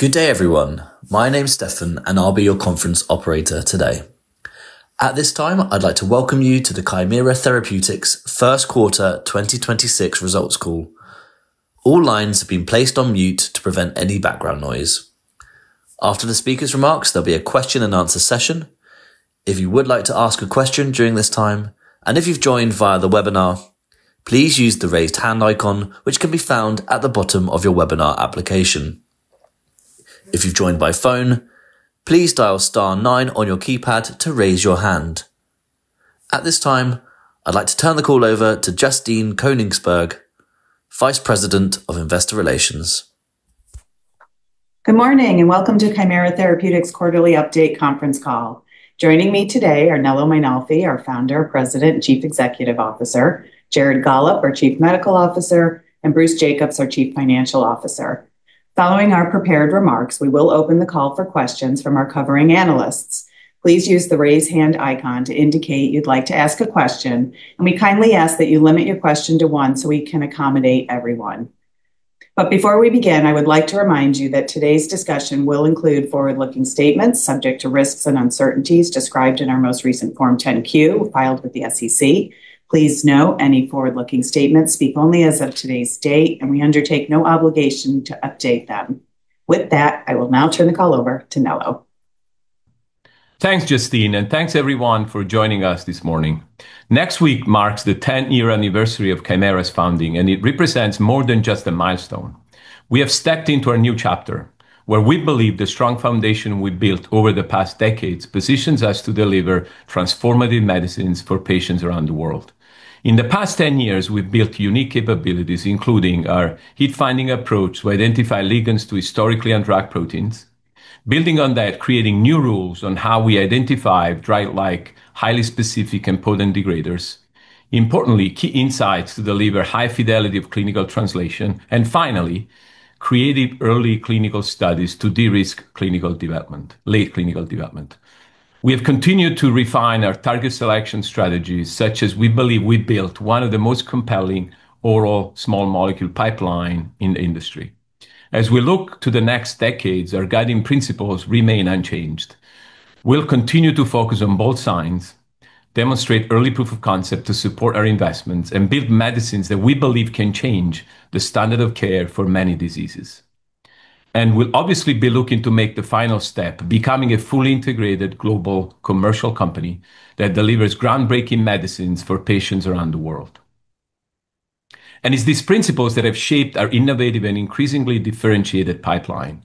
Good day, everyone. My name's Stefan, and I'll be your conference operator today. At this time, I'd like to welcome you to the Kymera Therapeutics first quarter 2026 results call. All lines have been placed on mute to prevent any background noise. After the speaker's remarks, there'll be a question and answer session. If you would like to ask a question during this time, and if you've joined via the webinar, please use the raise hand icon, which can be found at the bottom of your webinar application. If you've joined by phone, please dial star nine on your keypad to raise your hand. At this time, I'd like to turn the call over to Justine Koenigsberg, Vice President of Investor Relations. Good morning, welcome to Kymera Therapeutics quarterly update conference call. Joining me today are Nello Mainolfi, our Founder, President, Chief Executive Officer, Jared Gollob, our Chief Medical Officer, and Bruce Jacobs, our Chief Financial Officer. Following our prepared remarks, we will open the call for questions from our covering analysts. Please use the raise hand icon to indicate you'd like to ask a question, and we kindly ask that you limit your question to one so we can accommodate everyone. Before we begin, I would like to remind you that today's discussion will include forward-looking statements subject to risks and uncertainties described in our most recent Form 10-Q filed with the SEC. Please note any forward-looking statements speak only as of today's date, and we undertake no obligation to update them. With that, I will now turn the call over to Nello. Thanks, Justine, and thanks everyone for joining us this morning. Next week marks the 10th year anniversary of Kymera's founding. It represents more than just a milestone. We have stepped into a new chapter where we believe the strong foundation we've built over the past decades positions us to deliver transformative medicines for patients around the world. In the past 10 years, we've built unique capabilities, including our hit finding approach to identify ligands to historically undrugged proteins. Building on that, creating new rules on how we identify drug-like, highly specific, and potent degraders. Importantly, key insights to deliver high fidelity of clinical translation. Finally, created early clinical studies to de-risk clinical development, late clinical development. We have continued to refine our target selection strategies, such as we believe we built one of the most compelling oral small molecule pipelines in the industry. As we look to the next decades, our guiding principles remain unchanged. We'll continue to focus on both signs, demonstrate early proof of concept to support our investments, and build medicines that we believe can change the standard of care for many diseases. We'll obviously be looking to make the final step, becoming a fully integrated global commercial company that delivers groundbreaking medicines for patients around the world. It's these principles that have shaped our innovative and increasingly differentiated pipeline.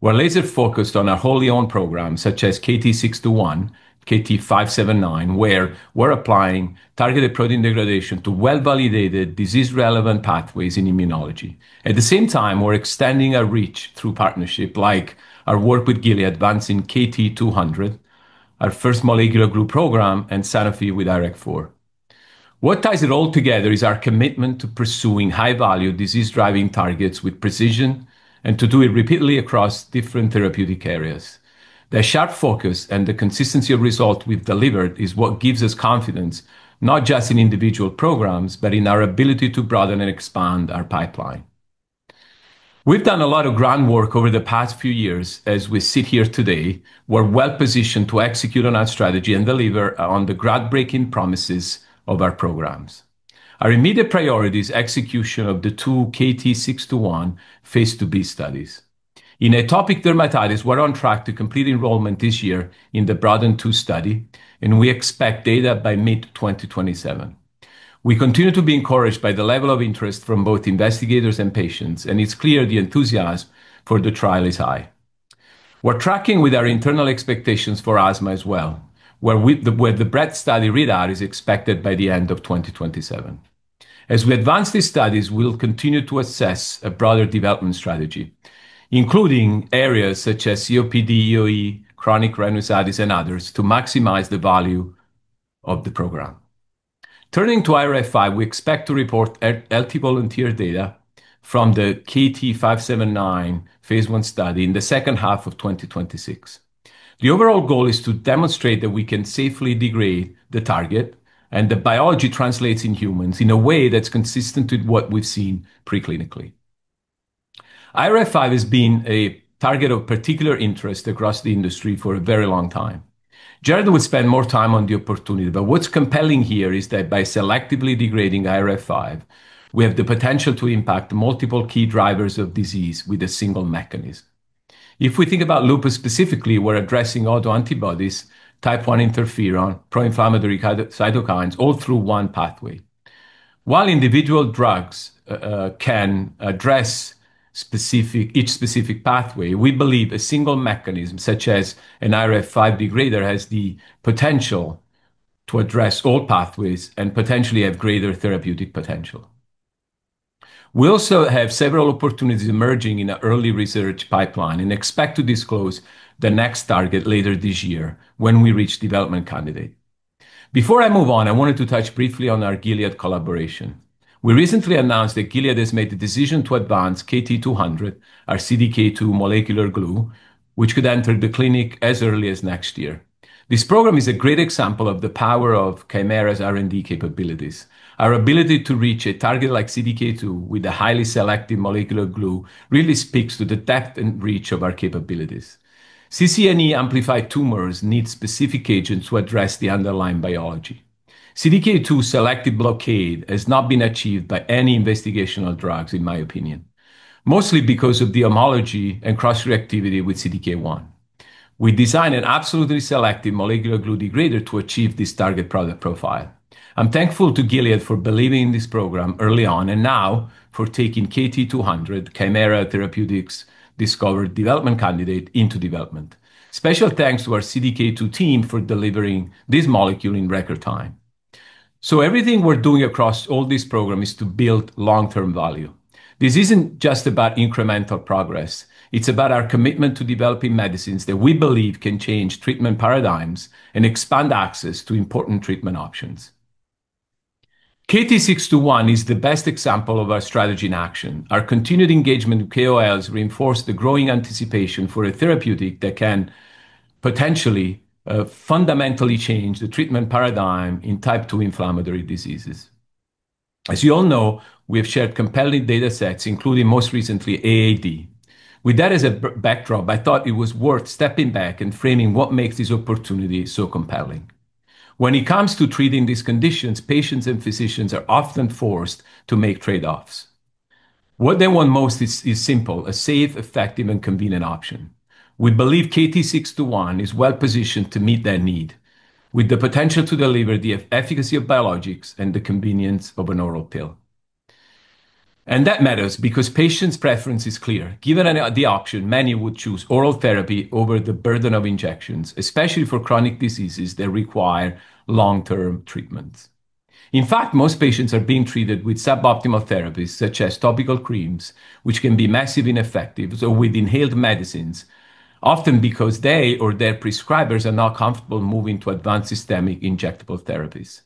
We're laser-focused on our wholly owned programs such as KT-621, KT-579, where we're applying Targeted protein degradation to well-validated disease-relevant pathways in immunology. At the same time, we're extending our reach through partnership like our work with Gilead advancing KT-200, our first molecular glue program, and Sanofi with IRAK4. What ties it all together is our commitment to pursuing high-value disease-driving targets with precision and to do it repeatedly across different therapeutic areas. The sharp focus and the consistency of result we've delivered is what gives us confidence, not just in individual programs, but in our ability to broaden and expand our pipeline. We've done a lot of groundwork over the past few years. As we sit here today, we're well-positioned to execute on our strategy and deliver on the groundbreaking promises of our programs. Our immediate priority is execution of the two KT-621 phase II-B studies. In atopic dermatitis, we're on track to complete enrollment this year in the BROADEN II study, and we expect data by mid 2027. We continue to be encouraged by the level of interest from both investigators and patients, and it's clear the enthusiasm for the trial is high. We're tracking with our internal expectations for asthma as well, where the BREADTH study readout is expected by the end of 2027. As we advance these studies, we'll continue to assess a broader development strategy, including areas such as COPD, EoE, chronic rhinosinusitis, and others to maximize the value of the program. Turning to IRF5, we expect to report healthy volunteer data from the KT-579 phase I study in the second half of 2026. The overall goal is to demonstrate that we can safely degrade the target, and the biology translates in humans in a way that's consistent with what we've seen pre-clinically. IRF5 has been a target of particular interest across the industry for a very long time. Jared would spend more time on the opportunity, what's compelling here is that by selectively degrading IRF5, we have the potential to impact multiple key drivers of disease with a single mechanism. If we think about lupus specifically, we're addressing autoantibodies, type one interferon, pro-inflammatory cytokines, all through one pathway. While individual drugs can address each specific pathway, we believe a single mechanism such as an IRF5 degrader has the potential to address all pathways and potentially have greater therapeutic potential. We also have several opportunities emerging in our early research pipeline and expect to disclose the next target later this year when we reach development candidate. Before I move on, I wanted to touch briefly on our Gilead collaboration. We recently announced that Gilead has made the decision to advance KT-200, our CDK2 molecular glue, which could enter the clinic as early as next year. This program is a great example of the power of Kymera's R&D capabilities. Our ability to reach a target like CDK2 with a highly selective molecular glue really speaks to the depth and reach of our capabilities. CCNE amplified tumors need specific agents to address the underlying biology. CDK2 selective blockade has not been achieved by any investigational drugs, in my opinion, mostly because of the homology and cross-reactivity with CDK1. We designed an absolutely selective molecular glue degrader to achieve this target product profile. I'm thankful to Gilead for believing in this program early on and now for taking KT-200, Kymera Therapeutics discovered development candidate into development. Special thanks to our CDK2 team for delivering this molecule in record time. Everything we're doing across all this program is to build long-term value. This isn't just about incremental progress. It's about our commitment to developing medicines that we believe can change treatment paradigms and expand access to important treatment options. KT-621 is the best example of our strategy in action. Our continued engagement with KOLs reinforce the growing anticipation for a therapeutic that can potentially fundamentally change the treatment paradigm in type 2 inflammatory diseases. As you all know, we have shared compelling data sets, including most recently AAD. With that as a backdrop, I thought it was worth stepping back and framing what makes this opportunity so compelling. When it comes to treating these conditions, patients and physicians are often forced to make trade-offs. What they want most is simple: a safe, effective, and convenient option. We believe KT-621 is well-positioned to meet that need, with the potential to deliver the efficacy of biologics and the convenience of an oral pill. That matters because patients preference is clear. Given the option, many would choose oral therapy over the burden of injections, especially for chronic diseases that require long-term treatments. In fact, most patients are being treated with suboptimal therapies, such as topical creams, which can be massively ineffective, so with inhaled medicines, often because they or their prescribers are not comfortable moving to advanced systemic injectable therapies.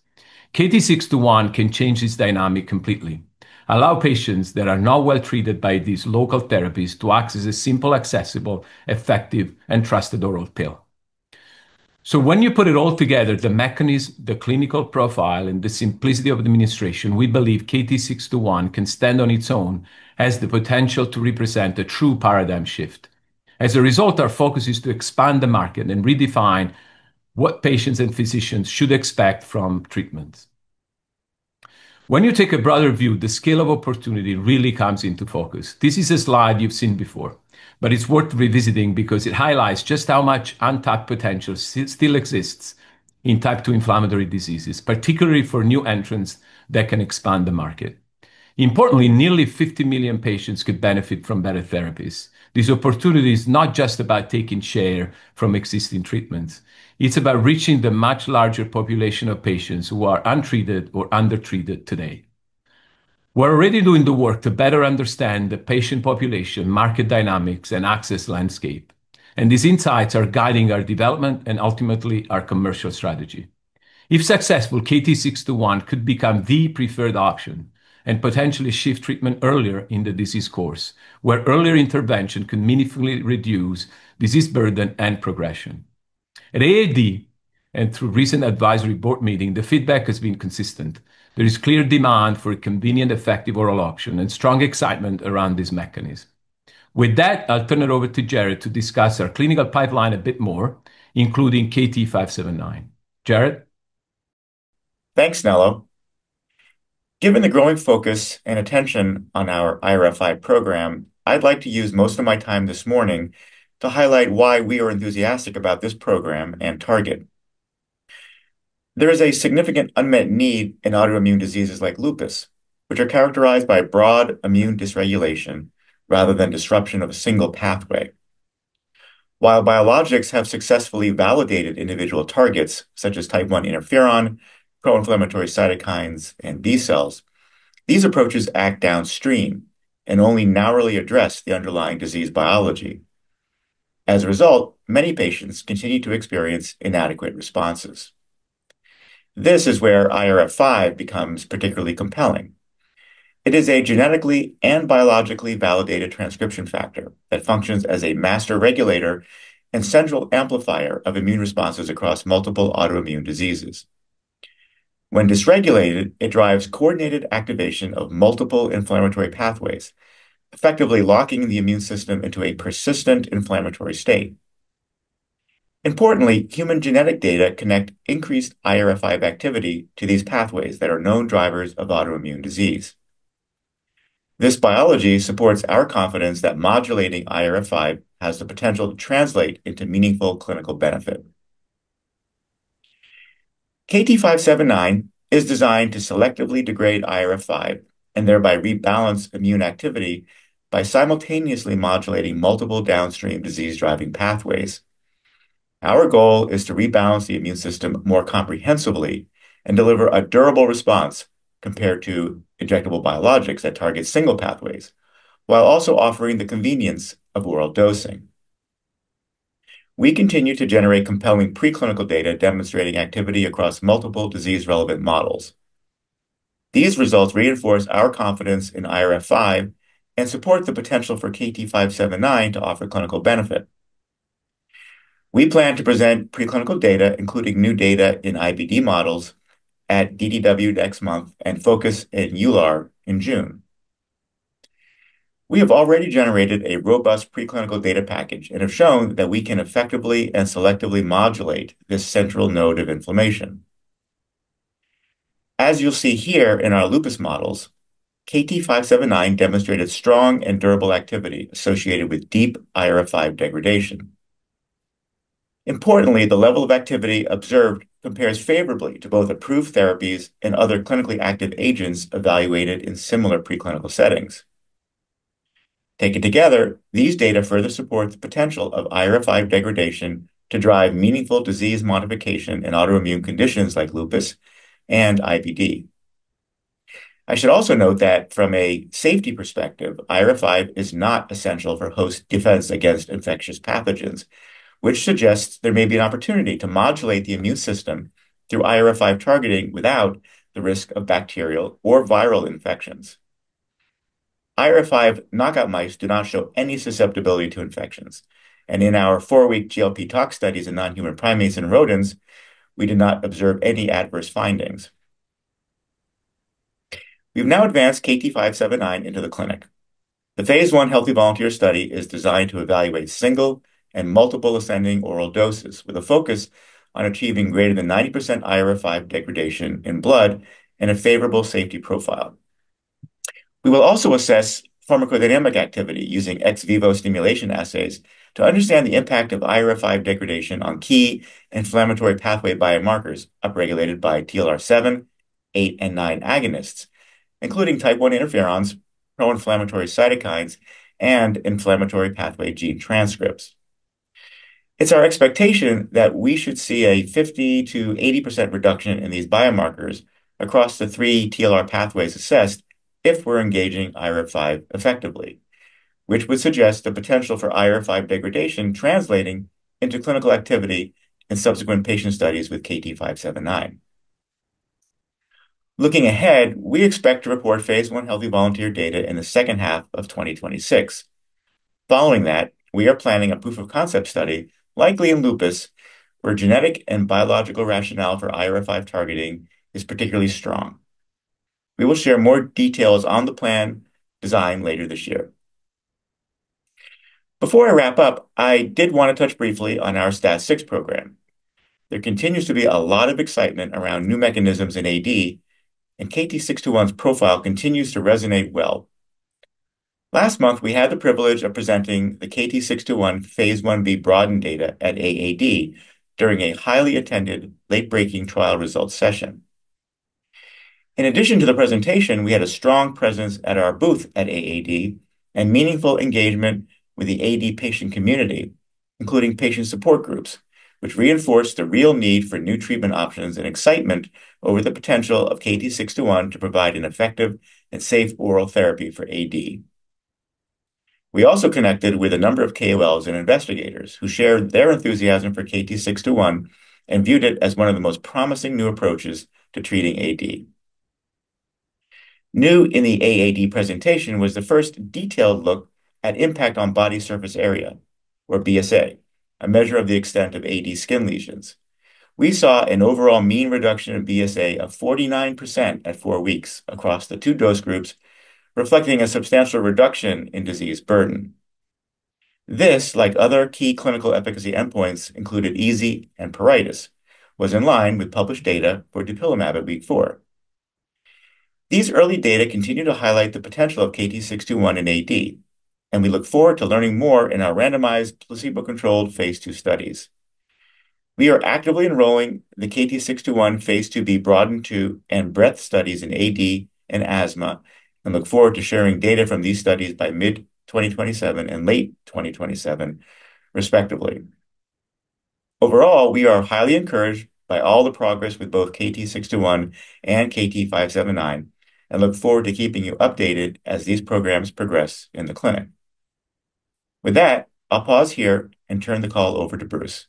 KT-621 can change this dynamic completely, allow patients that are not well treated by these local therapies to access a simple, accessible, effective, and trusted oral pill. When you put it all together, the mechanism, the clinical profile, and the simplicity of administration, we believe KT-621 can stand on its own as the potential to represent a true paradigm shift. As a result, our focus is to expand the market and redefine what patients and physicians should expect from treatments. When you take a broader view, the scale of opportunity really comes into focus. This is a slide you've seen before, but it's worth revisiting because it highlights just how much untapped potential still exists in type 2 inflammatory diseases, particularly for new entrants that can expand the market. Importantly, nearly 50 million patients could benefit from better therapies. This opportunity is not just about taking share from existing treatments. It's about reaching the much larger population of patients who are untreated or undertreated today. We're already doing the work to better understand the patient population, market dynamics, and access landscape, and these insights are guiding our development and ultimately our commercial strategy. If successful, KT-621 could become the preferred option and potentially shift treatment earlier in the disease course, where earlier intervention can meaningfully reduce disease burden and progression. At AAD and through recent advisory board meeting, the feedback has been consistent. There is clear demand for a convenient, effective oral option and strong excitement around this mechanism. With that, I'll turn it over to Jared to discuss our clinical pipeline a bit more, including KT-579. Jared? Thanks, Nello. Given the growing focus and attention on our IRF5 program, I'd like to use most of my time this morning to highlight why we are enthusiastic about this program and target. There is a significant unmet need in autoimmune diseases like lupus, which are characterized by broad immune dysregulation rather than disruption of a single pathway. While biologics have successfully validated individual targets such as type 1 interferon, proinflammatory cytokines, and B cells, these approaches act downstream and only narrowly address the underlying disease biology. As a result, many patients continue to experience inadequate responses. This is where IRF5 becomes particularly compelling. It is a genetically and biologically validated transcription factor that functions as a master regulator and central amplifier of immune responses across multiple autoimmune diseases. When dysregulated, it drives coordinated activation of multiple inflammatory pathways, effectively locking the immune system into a persistent inflammatory state. Importantly, human genetic data connect increased IRF5 activity to these pathways that are known drivers of autoimmune disease. This biology supports our confidence that modulating IRF5 has the potential to translate into meaningful clinical benefit. KT-579 is designed to selectively degrade IRF5 and thereby rebalance immune activity by simultaneously modulating multiple downstream disease-driving pathways. Our goal is to rebalance the immune system more comprehensively and deliver a durable response compared to injectable biologics that target single pathways, while also offering the convenience of oral dosing. We continue to generate compelling preclinical data demonstrating activity across multiple disease-relevant models. These results reinforce our confidence in IRF5 and support the potential for KT-579 to offer clinical benefit. We plan to present preclinical data, including new data in IBD models, at DDW next month and focus at EULAR in June. We have already generated a robust preclinical data package and have shown that we can effectively and selectively modulate this central node of inflammation. As you'll see here in our lupus models, KT-579 demonstrated strong and durable activity associated with deep IRF5 degradation. Importantly, the level of activity observed compares favorably to both approved therapies and other clinically active agents evaluated in similar preclinical settings. Taken together, these data further support the potential of IRF5 degradation to drive meaningful disease modification in autoimmune conditions like lupus and IBD. I should also note that from a safety perspective, IRF5 is not essential for host defense against infectious pathogens, which suggests there may be an opportunity to modulate the immune system through IRF5 targeting without the risk of bacterial or viral infections. IRF5 knockout mice do not show any susceptibility to infections, and in our four-week GLP tox studies in non-human primates and rodents, we did not observe any adverse findings. We've now advanced KT-579 into the clinic. The phase I healthy volunteer study is designed to evaluate single and multiple ascending oral doses with a focus on achieving greater than 90% IRF5 degradation in blood and a favorable safety profile. We will also assess pharmacodynamic activity using ex vivo stimulation assays to understand the impact of IRF5 degradation on key inflammatory pathway biomarkers upregulated by TLR7, TLR8, and TLR9 agonists, including type 1 interferons, proinflammatory cytokines, and inflammatory pathway gene transcripts. It's our expectation that we should see a 50%-80% reduction in these biomarkers across the 3 TLR pathways assessed if we're engaging IRF5 effectively, which would suggest the potential for IRF5 degradation translating into clinical activity in subsequent patient studies with KT-579. Looking ahead, we expect to report phase I healthy volunteer data in the second half of 2026. Following that, we are planning a proof of concept study, likely in lupus, where genetic and biological rationale for IRF5 targeting is particularly strong. We will share more details on the plan design later this year. Before I wrap up, I did want to touch briefly on our STAT6 program. There continues to be a lot of excitement around new mechanisms in AD, and KT-621's profile continues to resonate well. Last month, we had the privilege of presenting the KT-621 phase I-B BroADen data at AAD during a highly attended late-breaking trial results session. In addition to the presentation, we had a strong presence at our booth at AAD and meaningful engagement with the AD patient community, including patient support groups, which reinforced the real need for new treatment options and excitement over the potential of KT-621 to provide an effective and safe oral therapy for AD. We also connected with a number of KOLs and investigators who shared their enthusiasm for KT-621 and viewed it as one of the most promising new approaches to treating AD. New in the AAD presentation was the first detailed look at impact on body surface area, or BSA, a measure of the extent of AD skin lesions. We saw an overall mean reduction in BSA of 49% at four weeks across the two dose groups, reflecting a substantial reduction in disease burden. This, like other key clinical efficacy endpoints, included EASI and pruritus, was in line with published data for dupilumab at week four. These early data continue to highlight the potential of KT-621 in AD. We look forward to learning more in our randomized placebo-controlled phase II studies. We are actively enrolling the KT-621 phase IIb BROADEN II and BREADTH studies in AD and asthma and look forward to sharing data from these studies by mid-2027 and late 2027, respectively. Overall we are highly encouraged by all the progress with both KT-621 and KT-579 and look forward to keeping you updated as these programs progress in the clinic. With that I'll pause here and turn the call over to Bruce.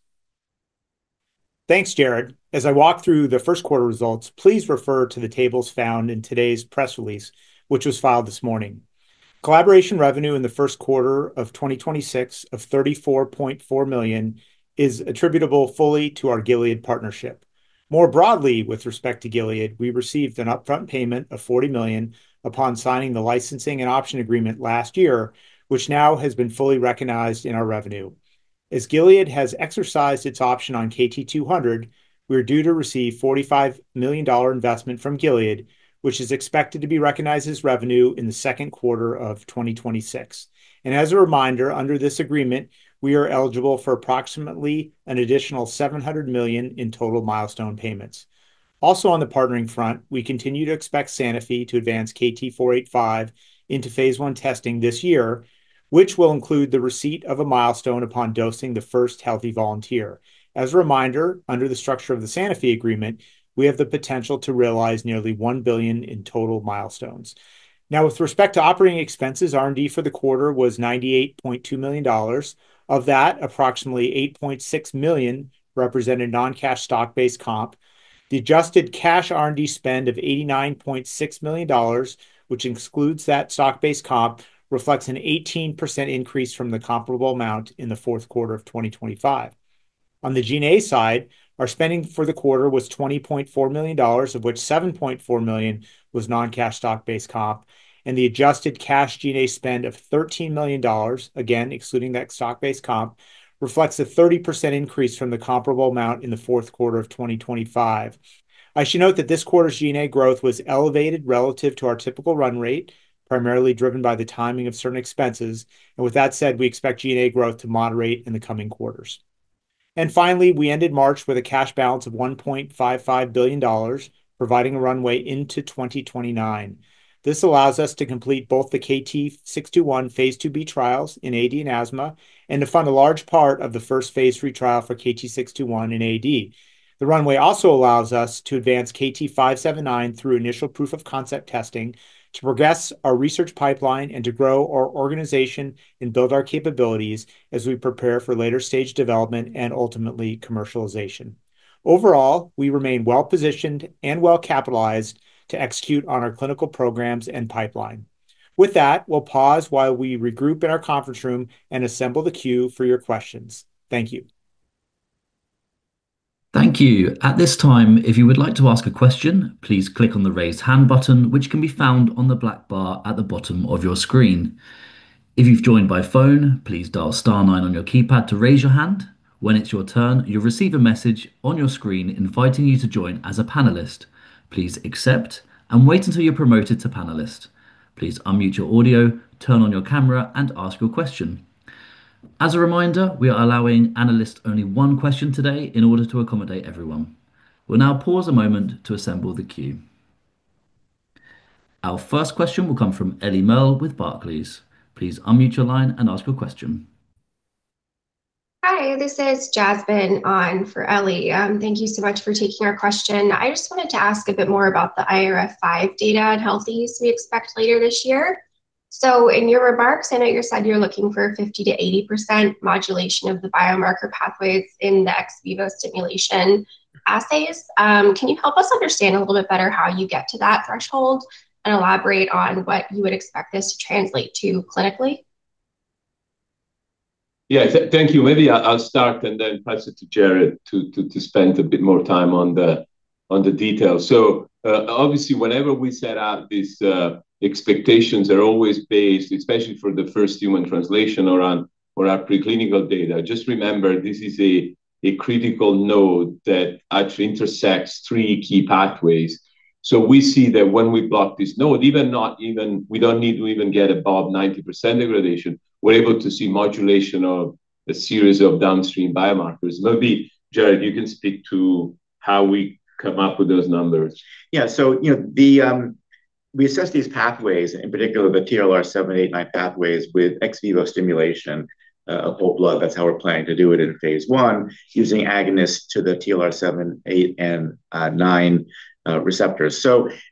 Thanks, Jared. As I walk through the first quarter results, please refer to the tables found in today's press release, which was filed this morning. Collaboration revenue in the first quarter of 2026 of $34.4 million is attributable fully to our Gilead partnership. More broadly, with respect to Gilead, we received an upfront payment of $40 million upon signing the licensing and option agreement last year, which now has been fully recognized in our revenue. As Gilead has exercised its option on KT-200, we are due to receive $45 million investment from Gilead, which is expected to be recognized as revenue in the second quarter of 2026. As a reminder, under this agreement, we are eligible for approximately an additional $700 million in total milestone payments. Also on the partnering front, we continue to expect Sanofi to advance KT-485 into phase I testing this year, which will include the receipt of a milestone upon dosing the first healthy volunteer. As a reminder, under the structure of the Sanofi agreement, we have the potential to realize nearly $1 billion in total milestones. With respect to operating expenses, R&D for the quarter was $98.2 million. Of that, approximately $8.6 million represented non-cash stock-based comp. The adjusted cash R&D spend of $89.6 million, which excludes that stock-based comp, reflects an 18% increase from the comparable amount in the fourth quarter of 2025. On the G&A side, our spending for the quarter was $20.4 million, of which $7.4 million was non-cash stock-based comp. The adjusted cash G&A spend of $13 million, again, excluding that stock-based comp, reflects a 30% increase from the comparable amount in the fourth quarter of 2025. I should note that this quarter's G&A growth was elevated relative to our typical run rate, primarily driven by the timing of certain expenses. With that said, we expect G&A growth to moderate in the coming quarters. Finally, we ended March with a cash balance of $1.55 billion, providing a runway into 2029. This allows us to complete both the KT-621 phase IIb trials in AD and asthma, and to fund a large part of the first phase III trial for KT-621 in AD. The runway also allows us to advance KT-579 through initial proof of concept testing, to progress our research pipeline, and to grow our organization and build our capabilities as we prepare for later-stage development and ultimately commercialization. Overall, we remain well-positioned and well-capitalized to execute on our clinical programs and pipeline. With that, we'll pause while we regroup in our conference room and assemble the queue for your questions. Thank you. Thank you. At this time, if you would like to ask a question, please click on the raise hand button, which can be found on the black bar at the bottom of your screen. If you've joined by phone, please dial star nine on your keypad to raise your hand. When it's your turn, you'll receive a message on your screen inviting you to join as a panelist. Please accept and wait until you're promoted to panelist. Please unmute your audio, turn on your camera, and ask your question. As a reminder, we are allowing analysts only one question today in order to accommodate everyone. We'll now pause a moment to assemble the queue. Our first question will come from Eliana Merle with Barclays. Please unmute your line and ask your question. Hi, this is Jasmine Fels on for Eliana. Thank you so much for taking our question. I just wanted to ask a bit more about the IRF5 data in healthy use we expect later this year. In your remarks, I know you said you're looking for 50%-80% modulation of the biomarker pathways in the ex vivo stimulation assays. Can you help us understand a little bit better how you get to that threshold and elaborate on what you would expect this to translate to clinically? Thank you. Maybe I'll start and then pass it to Jared to spend a bit more time on the details. Obviously, whenever we set out these expectations are always based, especially for the first human translation around or our preclinical data. Just remember, this is a critical node that actually intersects three key pathways. We see that when we block this node, even we don't need to even get above 90% degradation, we're able to see modulation of a series of downstream biomarkers. Maybe, Jared, you can speak to how we come up with those numbers. Yeah, you know, we assess these pathways, in particular the TLR7, TLR8, TLR9 pathways, with ex vivo stimulation of whole blood. That's how we're planning to do it in phase I, using agonists to the TLR7, TLR8, and TLR9 receptors.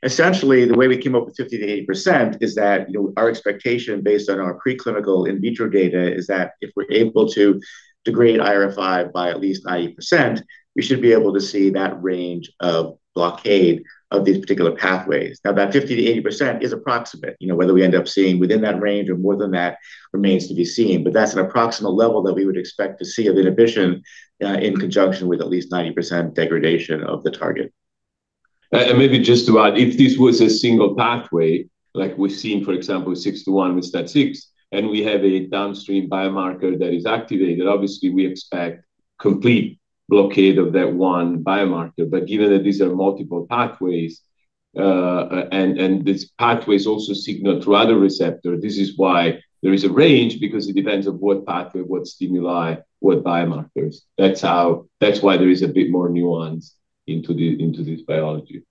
Essentially, the way we came up with 50%-80% is that, you know, our expectation based on our preclinical in vitro data is that if we're able to degrade IRF5 by at least 90%, we should be able to see that range of blockade of these particular pathways. Now, that 50%-80% is approximate. You know, whether we end up seeing within that range or more than that remains to be seen. That's an approximate level that we would expect to see of inhibition, in conjunction with at least 90% degradation of the target. Maybe just to add, if this was a single pathway like we've seen, for example, KT-621 with STAT6, and we have a downstream biomarker that is activated, obviously we expect complete blockade of that one biomarker. Given that these are multiple pathways, and these pathways also signal to other receptors, this is why there is a range because it depends on what pathway, what stimuli, what biomarkers. That's why there is a bit more nuance into this biology.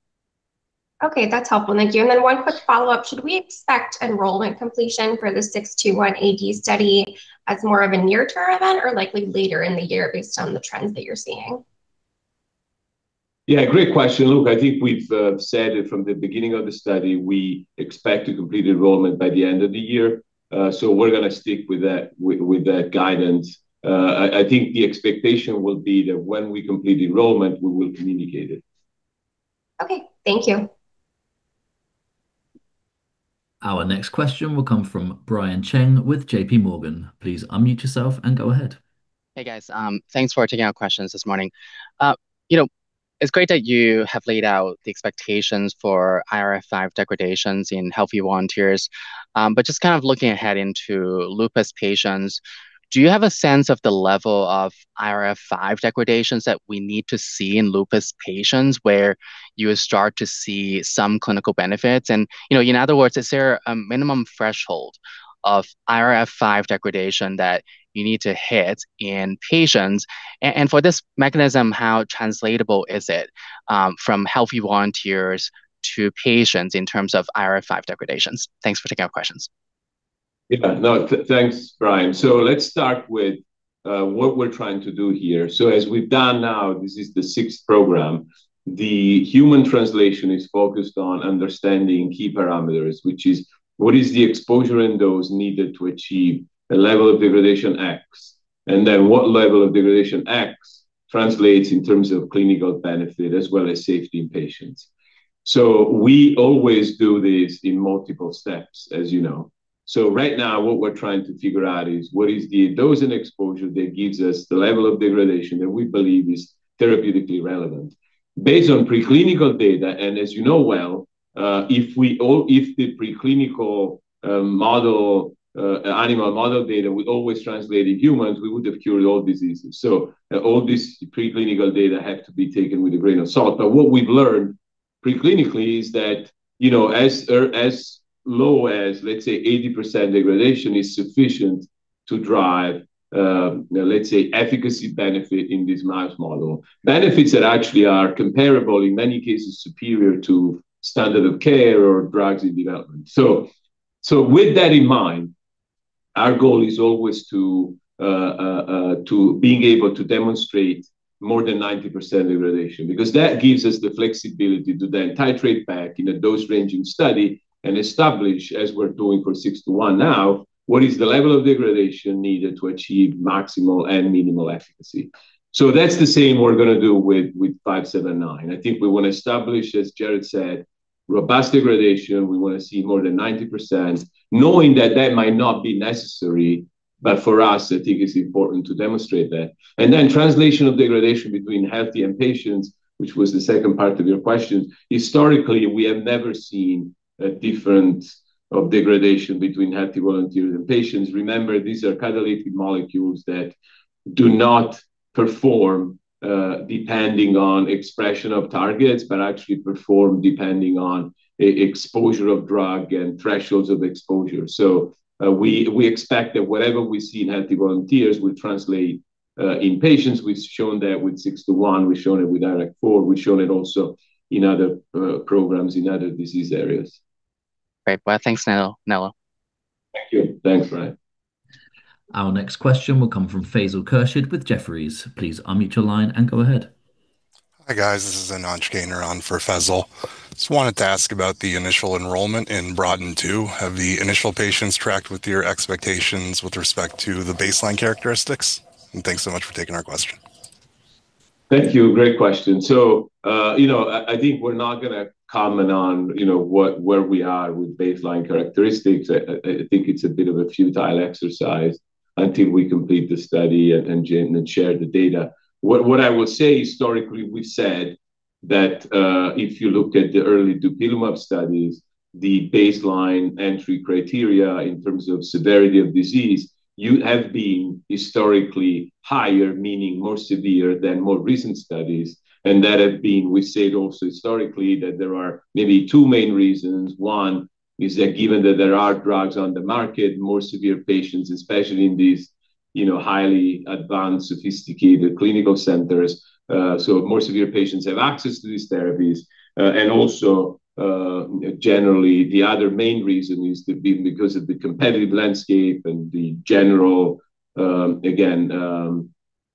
Okay. That's helpful. Thank you. One quick follow-up. Should we expect enrollment completion for the KT-621 AD study as more of a near-term event or likely later in the year based on the trends that you're seeing? Yeah, great question. Look, I think we've said it from the beginning of the study, we expect to complete enrollment by the end of the year. We're gonna stick with that guidance. I think the expectation will be that when we complete enrollment, we will communicate it. Okay. Thank you. Our next question will come from Brian Cheng with JPMorgan. Please unmute yourself and go ahead. Hey, guys. Thanks for taking our questions this morning. You know, it's great that you have laid out the expectations for IRF5 degradations in healthy volunteers. Just kind of looking ahead into lupus patients, do you have a sense of the level of IRF5 degradations that we need to see in lupus patients where you start to see some clinical benefits? You know, in other words, is there a minimum threshold of IRF5 degradation that you need to hit in patients? For this mechanism, how translatable is it from healthy volunteers to patients in terms of IRF5 degradations? Thanks for taking our questions. Thanks, Brian. Let's start with what we're trying to do here. As we've done now, this is the 6th program. The human translation is focused on understanding key parameters, which is, what is the exposure in those needed to achieve a level of degradation X? What level of degradation X translates in terms of clinical benefit as well as safety in patients. We always do this in multiple steps, as you know. Right now, what we're trying to figure out is what is the dose and exposure that gives us the level of degradation that we believe is therapeutically relevant. Based on preclinical data, as you know well, if the preclinical model animal model data would always translate in humans, we would have cured all diseases. All this preclinical data have to be taken with a grain of salt. What we've learned preclinically is that, you know, as or as low as, let's say, 80% degradation is sufficient to drive, let's say, efficacy benefit in this mouse model. Benefits that actually are comparable, in many cases, superior to standard of care or drugs in development. With that in mind, our goal is always to being able to demonstrate more than 90% degradation, because that gives us the flexibility to then titrate back in a dose-ranging study and establish, as we're doing for KT-621 now, what is the level of degradation needed to achieve maximal and minimal efficacy. That's the same we're gonna do with KT-579. I think we want to establish, as Jared said, robust degradation. We want to see more than 90%, knowing that that might not be necessary, but for us, I think it's important to demonstrate that. Translation of degradation between healthy and patients, which was the second part of your question, historically, we have never seen a difference of degradation between healthy volunteers and patients. Remember, these are catalytic molecules that do not perform depending on expression of targets, but actually perform depending on exposure of drug and thresholds of exposure. We expect that whatever we see in healthy volunteers will translate in patients. We've shown that with KT-621. We've shown it with IRAK4. We've shown it also in other programs in other disease areas. Great. Well, thanks, Nello. Thank you. Thanks, Brian Cheng. Our next question will come from Faisal Khurshid with Jefferies. Please unmute your line and go ahead. Hi, guys. This is Anant Karandikar for Faisal. Just wanted to ask about the initial enrollment in BROADEN II. Have the initial patients tracked with your expectations with respect to the baseline characteristics? Thanks so much for taking our question. Thank you. Great question. You know, I think we're not gonna comment on, you know, what, where we are with baseline characteristics. I think it's a bit of a futile exercise until we complete the study and share the data. What I will say, historically, we've said that if you look at the early dupilumab studies, the baseline entry criteria in terms of severity of disease, you have been historically higher, meaning more severe than more recent studies. That has been, we said also historically, that there are maybe two main reasons. One is that given that there are drugs on the market, more severe patients, especially in these, you know, highly advanced, sophisticated clinical centers, more severe patients have access to these therapies. Generally, the other main reason is to build because of the competitive landscape and the general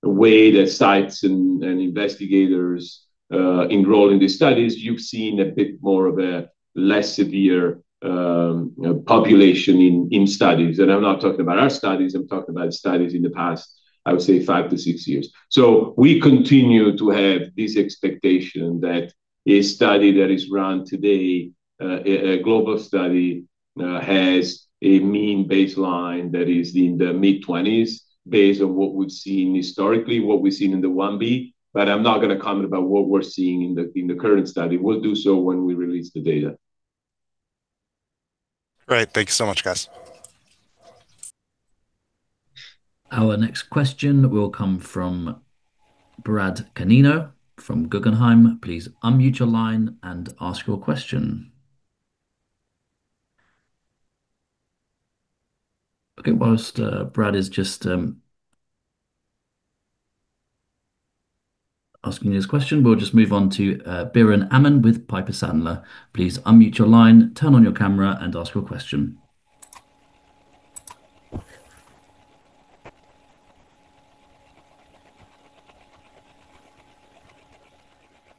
way that sites and investigators enroll in these studies. You've seen a bit more of a less severe population in studies. I'm not talking about our studies. I'm talking about studies in the past, I would say, five to six years. We continue to have this expectation that a study that is run today, a global study, has a mean baseline that is in the mid-20s based on what we've seen historically, what we've seen in the phase Ib. I'm not going to comment about what we're seeing in the current study. We'll do so when we release the data. Great. Thank you so much, guys. Our next question will come from Bradley Canino from Guggenheim Securities. Please unmute your line and ask your question. Okay. Whilst Brad is just asking his question, we'll just move on to Biren Amin with Piper Sandler. Please unmute your line, turn on your camera, and ask your question.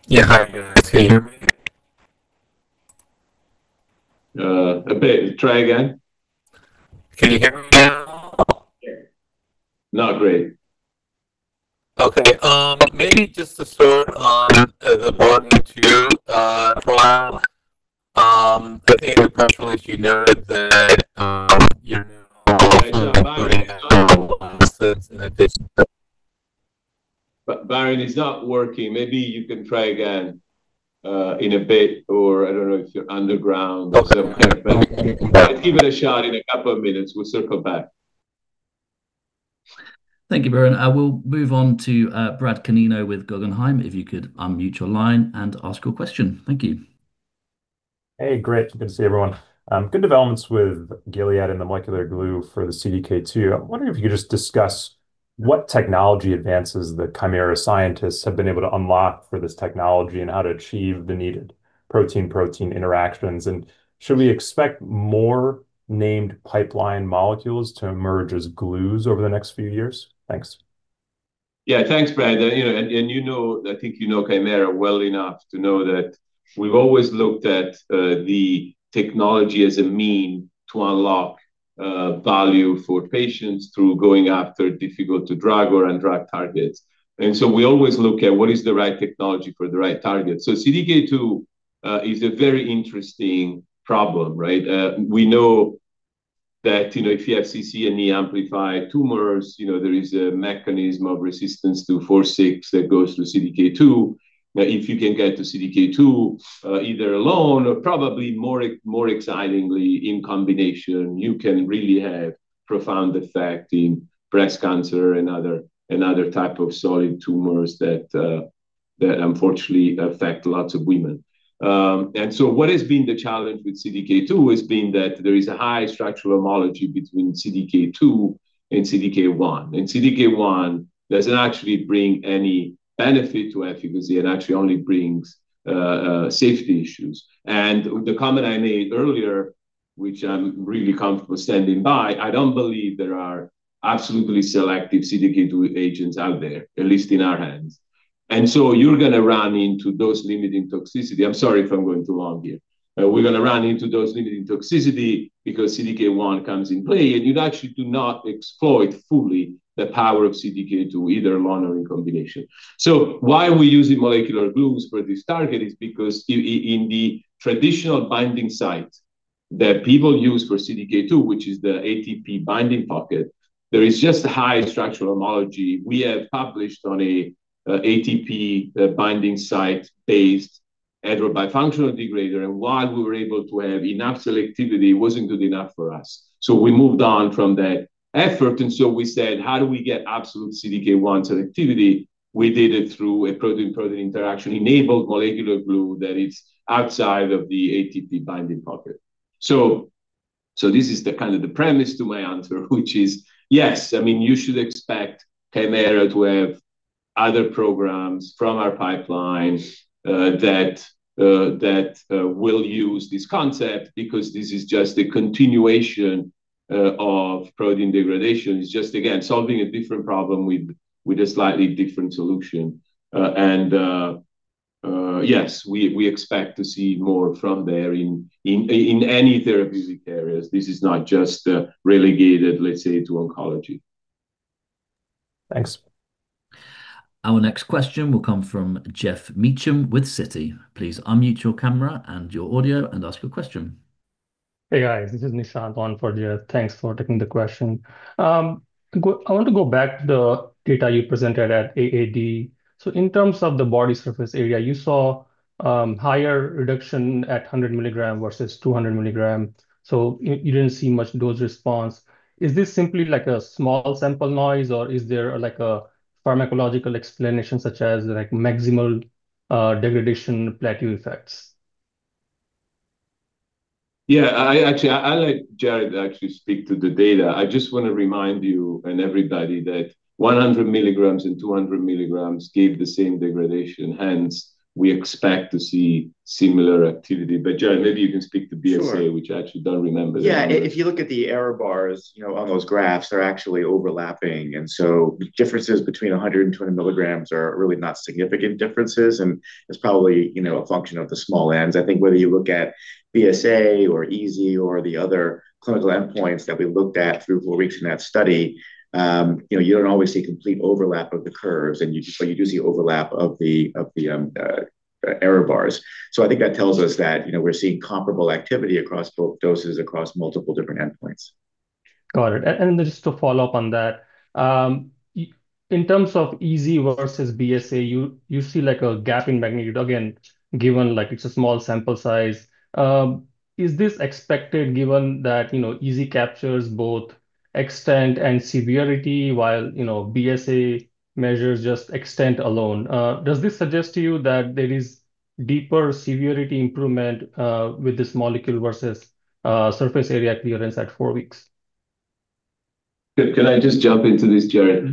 Yeah. Hi, guys. Can you hear me? A bit. Try again. Can you hear me now? Not great. Okay. Maybe just to start on the BROADEN II trial. I think previously you noted that you're now also including Wait. No, Biren, it's not working. Maybe you can try again in a bit or I don't know if you're underground or some kind of thing. Okay. Give it a shot in a couple of minutes. We'll circle back. Thank you, Biren. I will move on to Bradley Canino with Guggenheim Securities. If you could unmute your line and ask your question. Thank you. Hey, great good to see everyone. Good developments with Gilead and the molecular glue for the CDK2. I'm wondering if you could just discuss what technology advances the Kymera scientists have been able to unlock for this technology and how to achieve the needed protein-protein interactions. Should we expect more named pipeline molecules to emerge as glues over the next few years? Thanks. Yeah, thanks Brad you know, I think you know Kymera well enough to know that we've always looked at the technology as a mean to unlock value for patients through going after difficult to drug or on drug targets. We always look at what is the right technology for the right target. CDK2 is a very interesting problem, right? We know that, you know, if you have CCNE-amplified tumors, you know, there is a mechanism of resistance to CDK4/6 that goes through CDK2, that if you can get to CDK2, either alone or probably more excitingly in combination, you can really have profound effect in breast cancer and other type of solid tumors that unfortunately affect lots of women. What has been the challenge with CDK2 has been that there is a high structural homology between CDK2 and CDK1. CDK1 doesn't actually bring any benefit to efficacy. It actually only brings safety issues. The comment I made earlier, which I'm really comfortable standing by, I don't believe there are absolutely selective CDK2 agents out there, at least in our hands. You're gonna run into those limiting toxicity. I'm sorry if I'm going too long here. We're gonna run into those limiting toxicity because CDK1 comes in play, and you'd actually do not exploit fully the power of CDK2, either alone or in combination. Why are we using molecular glues for this target is because in the traditional binding site that people use for CDK2, which is the ATP binding pocket, there is just high structural homology. We have published on a ATP binding site-based bifunctional degrader. While we were able to have enough selectivity, it wasn't good enough for us. We moved on from that effort. We said, "How do we get absolute CDK1 selectivity?" We did it through a protein-protein interaction-enabled molecular glue that is outside of the ATP binding pocket. This is the kind of the premise to my answer, which is yes. I mean, you should expect Kymera to have other programs from our pipeline that will use this concept because this is just a continuation of protein degradation. It's just, again, solving a different problem with a slightly different solution. Yes, we expect to see more from there in any therapeutic areas. This is not just relegated, let's say to oncology. Thanks. Our next question will come from Geoff Meacham with Citi. Please unmute your camera and your audio and ask your question. Hey, guys this is Nishant Gandhi on for Geoff Meacham. Thanks for taking the question. I want to go back to the data you presented at AAD. In terms of the body surface area, you saw higher reduction at 100 mg versus 200 mg, you didn't see much dose response. Is this simply like a small sample noise, or is there, like, a pharmacological explanation such as, like, maximal degradation plateau effects? Yeah. I actually let Jared actually speak to the data. I just wanna remind you and everybody that 100 mg and 200 mg gave the same degradation; hence we expect to see similar activity. Jared, maybe you can speak to BSA. Sure Which I actually don't remember the numbers. Yeah. If you look at the error bars, you know, on those graphs, they're actually overlapping. Differences between 120 mg are really not significant differences, and it's probably, you know, a function of the small ends. I think whether you look at BSA or EASI or the other clinical endpoints that we looked at through four weeks in that study, you know, you don't always see complete overlap of the curves, but you do see overlap of the, of the error bars. I think that tells us that, you know, we're seeing comparable activity across both doses, across multiple different endpoints. Got it. Just to follow up on that, in terms of EASI versus BSA, you see like a gap in magnitude. Again, given, like, it's a small sample size, is this expected given that, you know, EASI captures both extent and severity while, you know, BSA measures just extent alone? Does this suggest to you that there is deeper severity improvement with this molecule versus surface area clearance at four weeks? Can I just jump into this, Jared?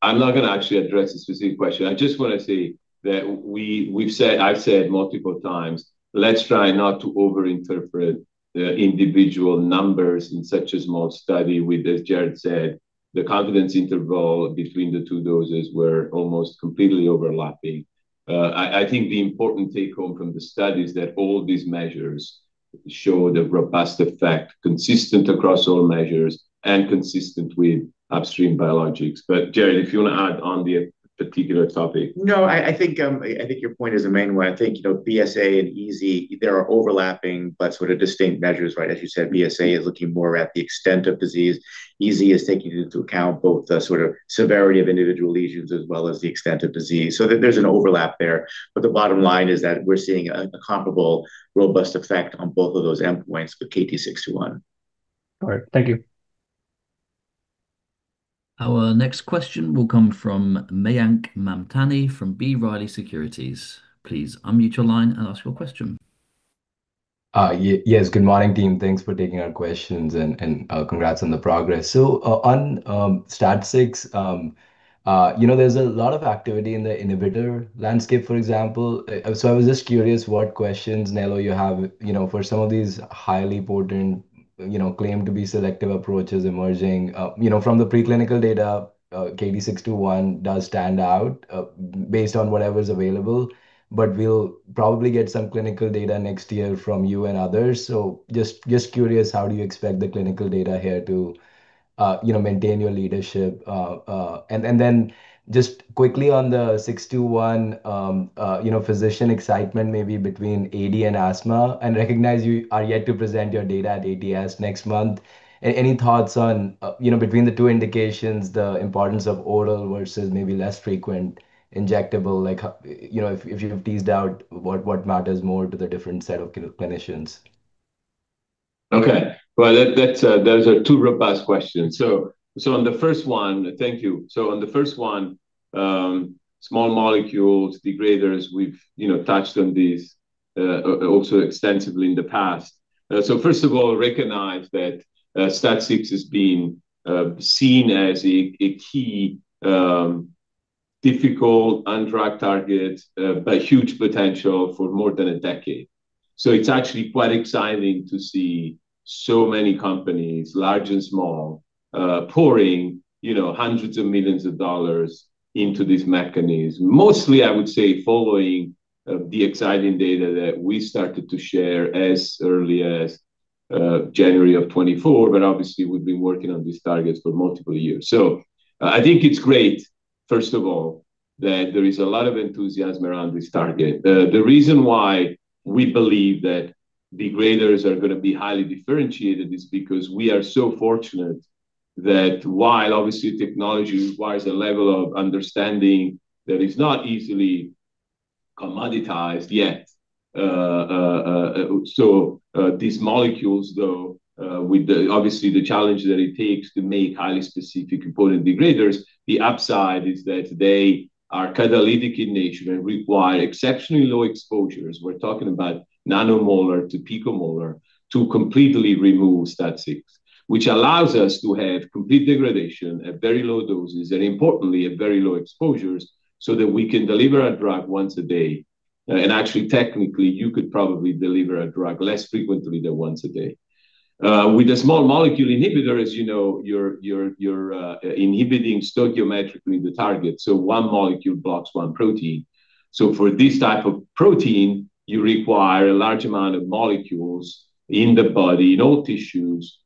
I'm not gonna actually address the specific question. I just wanna say that we've said, I've said multiple times, let's try not to overinterpret the individual numbers in such a small study with, as Jared said, the confidence interval between the two doses were almost completely overlapping. I think the important take-home from the study is that all these measures show the robust effect, consistent across all measures and consistent with upstream biologics. Jared, if you wanna add on the particular topic. I think, I think your point is the main one. I think, you know, BSA and EASI, they are overlapping but sort of distinct measures, right? As you said, BSA is looking more at the extent of disease. EASI is taking into account both the sort of severity of individual lesions as well as the extent of disease. There's an overlap there. The bottom line is that we're seeing a comparable robust effect on both of those endpoints with KT-621. All right. Thank you. Our next question will come from Mayank Mamtani from B. Riley Securities. Please unmute your line and ask your question. Yes. Good morning, team. Thanks for taking our questions and congrats on the progress. On STAT6, you know, there's a lot of activity in the inhibitor landscape, for example. I was just curious what questions, Nello, you have, you know, for some of these highly potent, you know, claim to be selective approaches emerging. You know, from the preclinical data, KT-621 does stand out based on whatever's available. We'll probably get some clinical data next year from you and others. Just curious, how do you expect the clinical data here to, you know, maintain your leadership? Then just quickly on the KT-621, you know, physician excitement maybe between AD and asthma. Recognize you are yet to present your data at ATS next month. Any thoughts on, you know, between the two indications, the importance of oral versus maybe less frequent injectable, like, you know, if you have teased out what matters more to the different set of clinicians? Okay. Well, those are two robust questions. On the first one, thank you. On the first one, small molecules, degraders we've you know touched on these also extensively in the past. First of all, recognize that STAT6 has been seen as a key difficult and drug target, but huge potential for more than a decade. It's actually quite exciting to see so many companies, large and small, pouring, you know, hundreds of millions of dollars into this mechanism. Mostly, I would say, following the exciting data that we started to share as early as January of 2024. Obviously, we've been working on these targets for multiple years. I think it's great, first of all, that there is a lot of enthusiasm around this target. The reason why we believe that degraders are gonna be highly differentiated is because we are so fortunate that while obviously technology requires a level of understanding that is not easily commoditized yet. These molecules, though, with the, obviously the challenge that it takes to make highly specific component degraders, the upside is that they are catalytic in nature and require exceptionally low exposures. We're talking about nanomolar to picomolar to completely remove STAT6, which allows us to have complete degradation at very low doses, and importantly, at very low exposures, so that we can deliver a drug once a day. Actually, technically, you could probably deliver a drug less frequently than once a day. With a small molecule inhibitor, as you know, you're inhibiting stoichiometrically the target. One molecule blocks one protein. For this type of protein, you require a large amount of molecules in the body, in all tissues,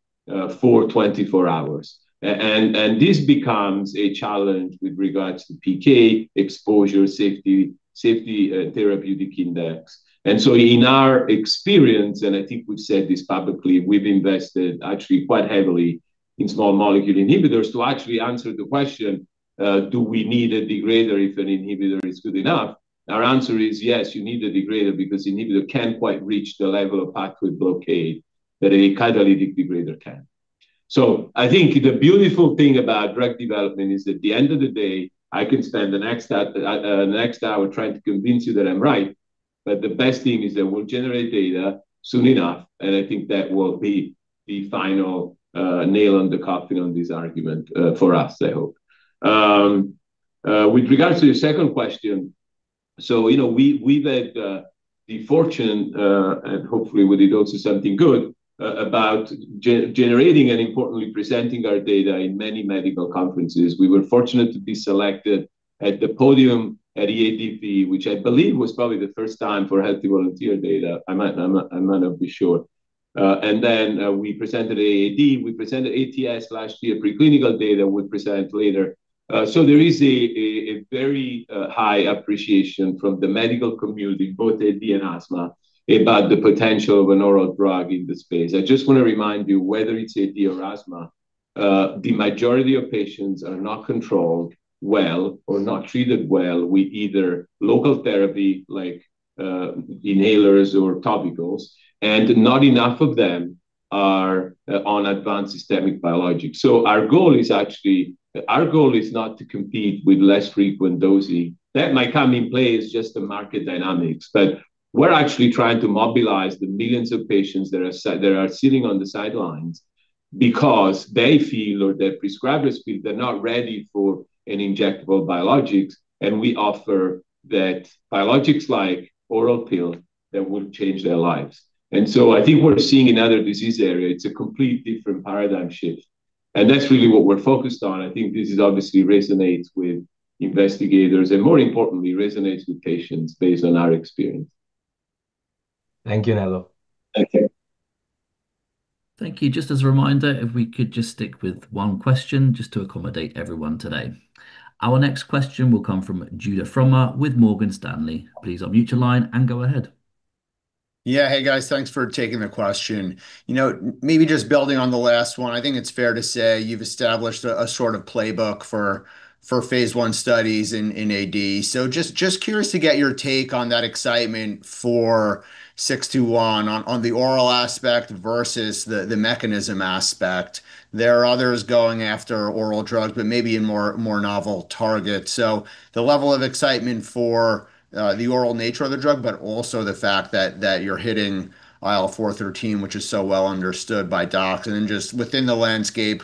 for 24 hours. This becomes a challenge with regards to PK, exposure, safety, therapeutic index. In our experience, and I think we've said this publicly, we've invested actually quite heavily in small molecule inhibitors to actually answer the question, do we need a degrader if an inhibitor is good enough? Our answer is yes, you need a degrader because inhibitor can't quite reach the level of pathway blockade that a catalytic degrader can. I think the beautiful thing about drug development is at the end of the day, I can spend the next, the next hour trying to convince you that I'm right. The best thing is that we'll generate data soon enough, and I think that will be the final nail on the coffin on this argument for us, I hope. With regards to your second question, you know, we've had the fortune and hopefully with it also something good about generating and importantly presenting our data in many medical conferences. We were fortunate to be selected at the podium at EAACI, which I believe was probably the first time for healthy volunteer data. I might not be sure. We presented at AD, we presented at ATS last year, preclinical data we'll present later. There is a very high appreciation from the medical community, both AD and asthma, about the potential of an oral drug in this space. I just wanna remind you, whether it's AD or asthma, the majority of patients are not controlled well or not treated well with either local therapy like inhalers or topicals, and not enough of them are on advanced systemic biologics. Our goal is not to compete with less frequent dosing. That might come in play as just the market dynamics. We're actually trying to mobilize the millions of patients that are sitting on the sidelines because they feel, or their prescribers feel, they're not ready for an injectable biologics. We offer that biologic-like oral pill that will change their lives. I think we're seeing in other disease area, it's a complete different paradigm shift, and that's really what we're focused on. I think this is obviously resonates with investigators, and more importantly, resonates with patients based on our experience. Thank you, Nello. Thank you. Thank you. Just as a reminder, if we could just stick with one question just to accommodate everyone today. Our next question will come from Judah Frommer with Morgan Stanley. Please unmute your line and go ahead. Yeah. Hey, guys, thanks for taking the question. You know, maybe just building on the last one, I think it's fair to say you've established a sort of playbook for phase I studies in AD. Just curious to get your take on that excitement for KT-621 on the oral aspect versus the mechanism aspect. There are others going after oral drugs, but maybe in more novel targets. The level of excitement for the oral nature of the drug, but also the fact that you're hitting IL-4/IL-13, which is so well understood by docs. Just within the landscape,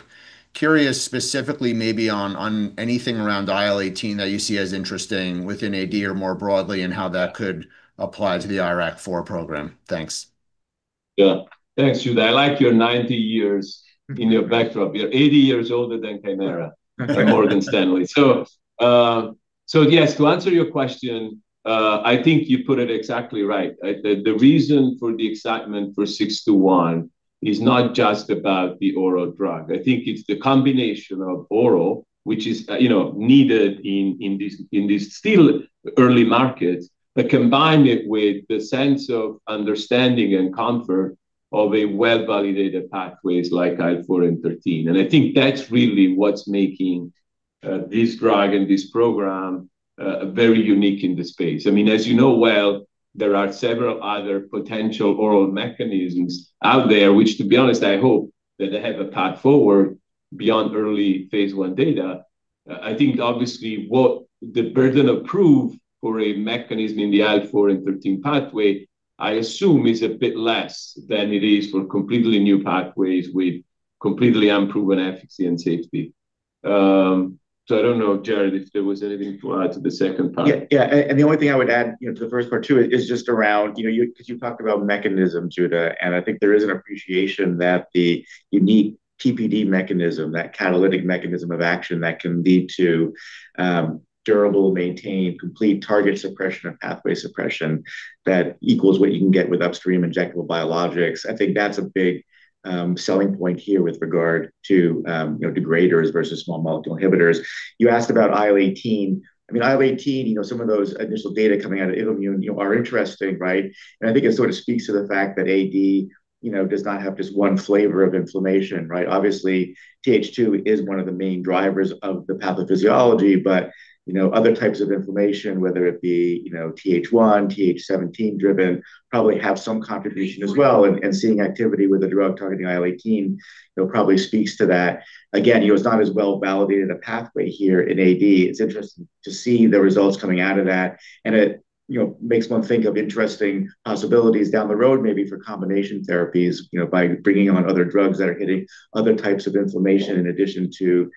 curious specifically maybe on anything around IL-18 that you see as interesting within AD or more broadly, and how that could apply to the IRAK4 program. Thanks. Yeah. Thanks, Judah. I like your 90 years in your backdrop. You're 80 years older than Kymera at Morgan Stanley. Yes, to answer your question, I think you put it exactly right. The reason for the excitement for KT-621 is not just about the oral drug. I think it's the combination of oral, which is, you know, needed in this still early markets, but combine it with the sense of understanding and comfort of a well-validated pathways like IL-4 and IL-13. I think that's really what's making this drug and this program very unique in the space. I mean, as you know well, there are several other potential oral mechanisms out there, which to be honest I hope that they have a path forward beyond early phase I data. I think obviously what the burden of proof for a mechanism in the IL-4 and IL-13 pathway, I assume is a bit less than it is for completely new pathways with completely unproven efficacy and safety. I don't know, Jared, if there was anything to add to the second part. Yeah, yeah, the only thing I would add, you know, to the first part too is just around, you know, cause you talked about mechanism, Judah, and I think there is an appreciation that the unique TPD mechanism, that catalytic mechanism of action that can lead to durable, maintained, complete target suppression or pathway suppression that equals what you can get with upstream injectable biologics. I think that's a big selling point here with regard to, you know, degraders versus small molecule inhibitors. You asked about IL-18. I mean, IL-18, you know, some of those initial data coming out of Ilumya, you know are interesting, right? I think it sort of speaks to the fact that AD you know, does not have just one flavor of inflammation, right? Obviously, Th2 is one of the main drivers of the pathophysiology but, you know, other types of inflammation, whether it be, you know, Th1, Th17-driven, probably have some contribution as well. Seeing activity with a drug targeting IL-18, you know, probably speaks to that. Again, you know, it's not as well-validated a pathway here in AD. It's interesting to see the results coming out of that, and it, you know, makes one think of interesting possibilities down the road maybe for combination therapies, you know, by bringing on other drugs that are hitting other types of inflammation in addition to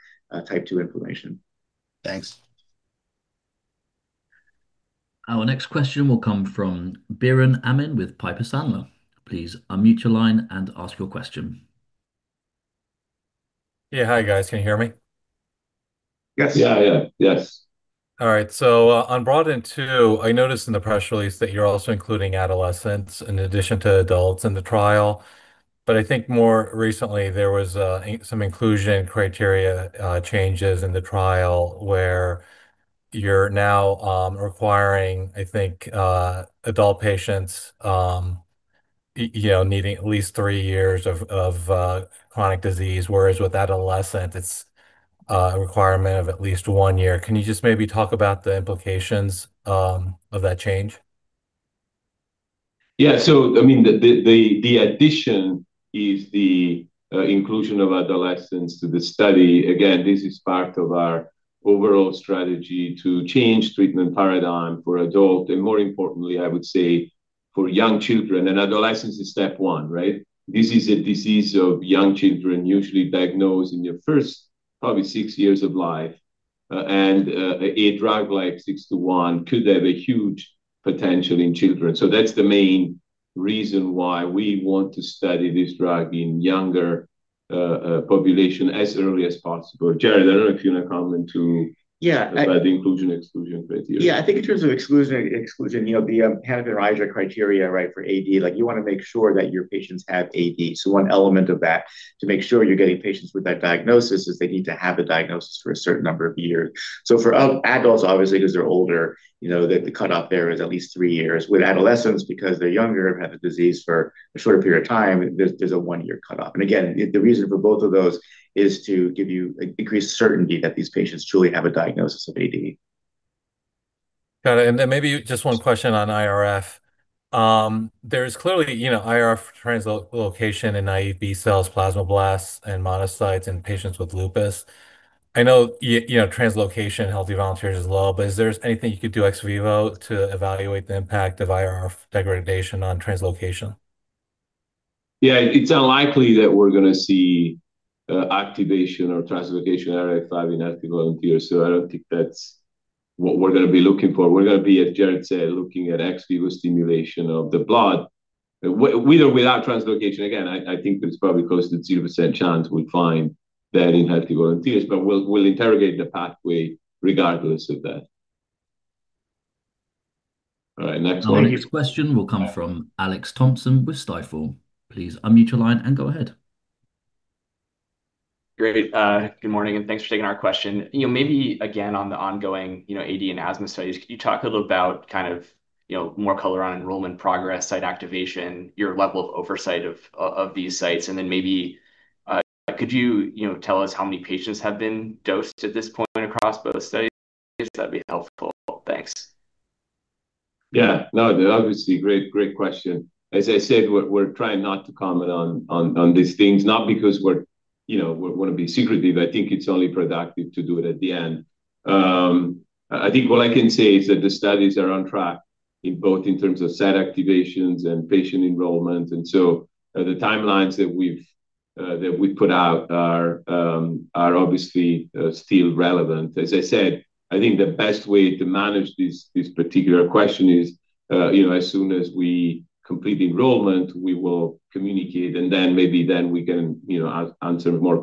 type 2 inflammation. Thanks. Our next question will come from Biren Amin with Piper Sandler. Please unmute your line and ask your question. Yeah. Hi, guys. Can you hear me? Yes. Yeah, yeah. Yes. All right. on BROADEN II, I noticed in the press release that you're also including adolescents in addition to adults in the trial. I think more recently there was some inclusion criteria changes in the trial where you're now requiring, I think adult patients you know needing at least three years of chronic disease, whereas with adolescent it's a requirement of at least one year. Can you just maybe talk about the implications of that change? Yeah. I mean, the addition is the inclusion of adolescents to the study. Again, this is part of our overall strategy to change treatment paradigm for adult and more importantly, I would say, for young children. Adolescents is step one, right? This is a disease of young children usually diagnosed in your first probably six years of life. A drug like KT-621 could have a huge potential in children. That's the main reason why we want to study this drug in younger population as early as possible. Jared, I don't know if you want to comment to. Yeah. About the inclusion, exclusion criteria. Yeah. I think in terms of exclusion, you know, the Hanifin and Rajka criteria, right, for AD, like you wanna make sure that your patients have AD. One element of that to make sure you're getting patients with that diagnosis is they need to have a diagnosis for a certain number of years. For adults, obviously, cause they're older, you know, the cutoff there is at least three years. With adolescents, because they're younger, have had the disease for a shorter period of time, there's a one-year cutoff. Again, the reason for both of those is to give you, like, increased certainty that these patients truly have a diagnosis of AD. Got it. Then maybe just one question on IRF. There's clearly, you know, IRF translocation in Naïve B cells, plasmablasts and monocytes in patients with lupus. I know you know, translocation healthy volunteers is low, but is there anything you could do ex vivo to evaluate the impact of IRF degradation on translocation? Yeah. It's unlikely that we're gonna see activation or translocation IRF5 in healthy volunteers. I don't think that's what we're gonna be looking for. We're gonna be, as Jared said, looking at ex vivo stimulation of the blood, with or without translocation. Again, I think there's probably close to 0% chance we'll find that in healthy volunteers, but we'll interrogate the pathway regardless of that. All right, next one. Our next question will come from Alex Thompson with Stifel. Please unmute your line and go ahead. Great. Good morning, thanks for taking our question. You know, maybe again on the ongoing, you know, AD and asthma studies. Could you talk a little about kind of, you know, more color on enrollment progress, site activation, your level of oversight of these sites? Maybe, could you know, tell us how many patients have been dosed at this point across both studies? That'd be helpful. Thanks. Yeah. No, obviously, great question. As I said, we're trying not to comment on these things, not because we're, you know, wanna be secretive. I think it's only productive to do it at the end. I think what I can say is that the studies are on track in both in terms of set activations and patient enrollment. The timelines that we've that we put out are obviously still relevant. As I said, I think the best way to manage this particular question is, you know, as soon as we complete enrollment, we will communicate, and then maybe then we can, you know, answer more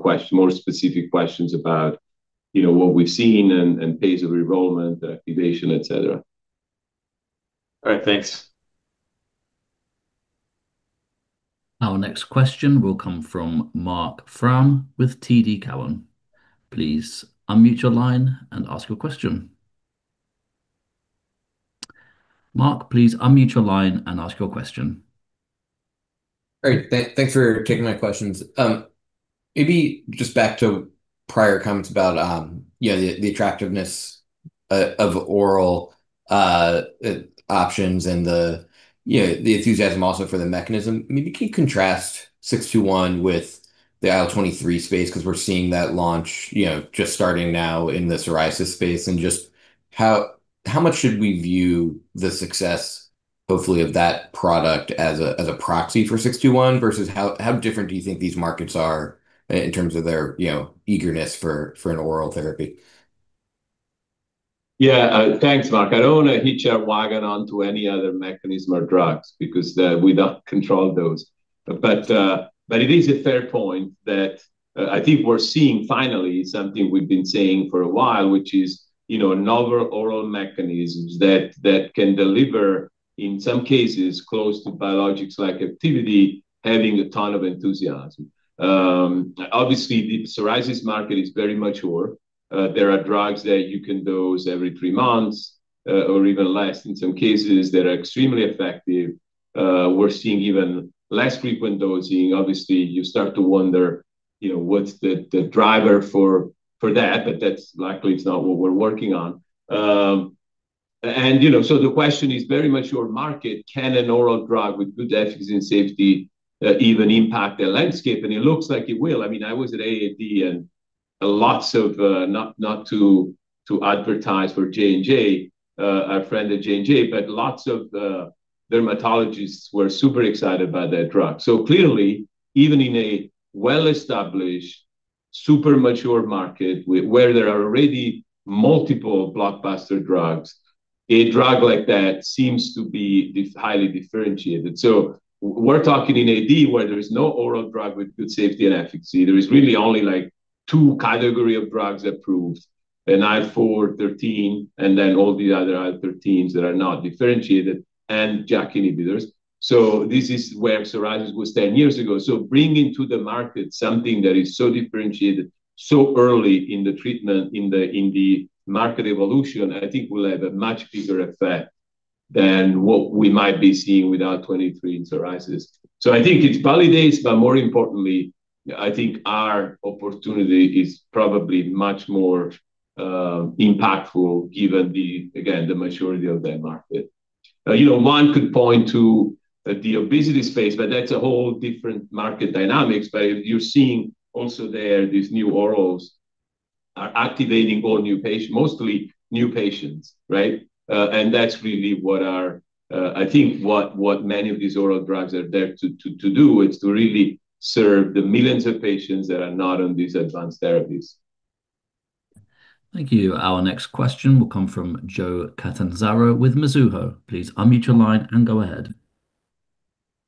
specific questions about, you know, what we've seen and pace of enrollment, activation, et cetera. All right, thanks. Our next question will come from Marc Frahm with TD Cowen. Please unmute your line and ask your question. Marc, please unmute your line and ask your question. Great. Thanks for taking my questions. Maybe just back to prior comments about, you know, the attractiveness of oral options and the, you know, the enthusiasm also for the mechanism. I mean, can you contrast KT-621 with the IL-23 space? We're seeing that launch you know, just starting now in the psoriasis space, and just how much should we view the success hopefully of that product as a proxy for KT-621 versus how different do you think these markets are in terms of their you know, eagerness for an oral therapy? Yeah. Thanks, Marc. I don't want to hitch our wagon onto any other mechanism or drugs because we don't control those. It is a fair point that I think we're seeing finally something we've been saying for a while, which is, you know, novel oral mechanisms that can deliver, in some cases close to biologics like activity having a ton of enthusiasm. Obviously the psoriasis market is very mature. There are drugs that you can dose every three months or even less in some cases that are extremely effective. We're seeing even less frequent dosing. Obviously, you start to wonder you know, what's the driver for that, but that's likely it's not what we're working on. You know, the question is very mature market. Can an oral drug with good efficacy and safety even impact the landscape? It looks like it will. I mean, I was at AAD and lots of, not to advertise for Johnson & Johnson, our friend at Johnson & Johnson but lots of dermatologists were super excited by that drug. Clearly, even in a well-established, super mature market where there are already multiple blockbuster drugs, a drug like that seems to be highly differentiated. We're talking in AD, where there is no oral drug with good safety and efficacy. There is really only, like, two categories of drugs approved, an IL-4, IL-13, and then all the other IL-13's that are not differentiated and JAK inhibitors. This is where psoriasis was 10 years ago. Bringing to the market something that is so differentiated so early in the treatment, in the, in the market evolution, I think will have a much bigger effect than what we might be seeing with IL-23 in psoriasis. I think it validates, but more importantly, I think our opportunity is probably much more impactful given the, again, the maturity of that market. You know, one could point to the obesity space, but that's a whole different market dynamics. You're seeing also there, these new orals are activating whole new mostly new patients, right? And that's really what our, I think what many of these oral drugs are there to do, is to really serve the millions of patients that are not on these advanced therapies. Thank you. Our next question will come from Joseph Catanzaro with Mizuho.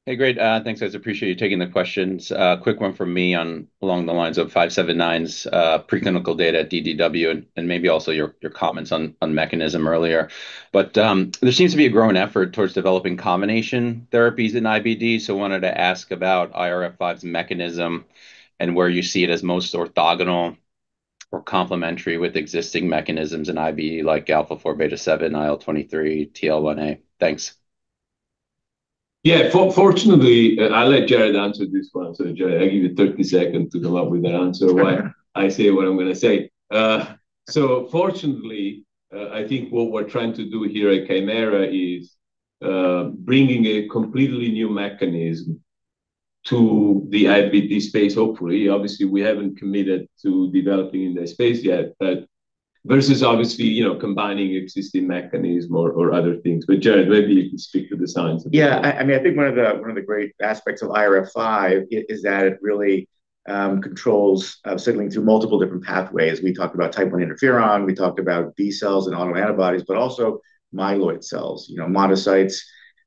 Hey, great thanks guys. Appreciate you taking the questions. quick one from me on along the lines of KT-579's preclinical data at DDW and maybe also your comments on mechanism earlier. There seems to be a growing effort towards developing combination therapies in IBD, so wanted to ask about IRF5's mechanism and where you see it as most orthogonal or complementary with existing mechanisms in IBD like alpha-4 beta-7, IL-23, TL1A. Thanks. Fortunately, I'll let Jared answer this one. Jared, I give you 30 seconds to come up with the answer while I say what I'm gonna say. Fortunately, I think what we're trying to do here at Kymera is bringing a completely new mechanism to the IBD space, hopefully. Obviously, we haven't committed to developing in that space yet, but versus obviously you know, combining existing mechanism or other things. Jared, maybe you can speak to the science of it. Yeah. I mean, I think one of the great aspects of IRF5 is that it really controls signaling through multiple different pathways. We talked about type 1 interferon, we talked about B cells and autoantibodies, but also myeloid cells, you know, monocytes,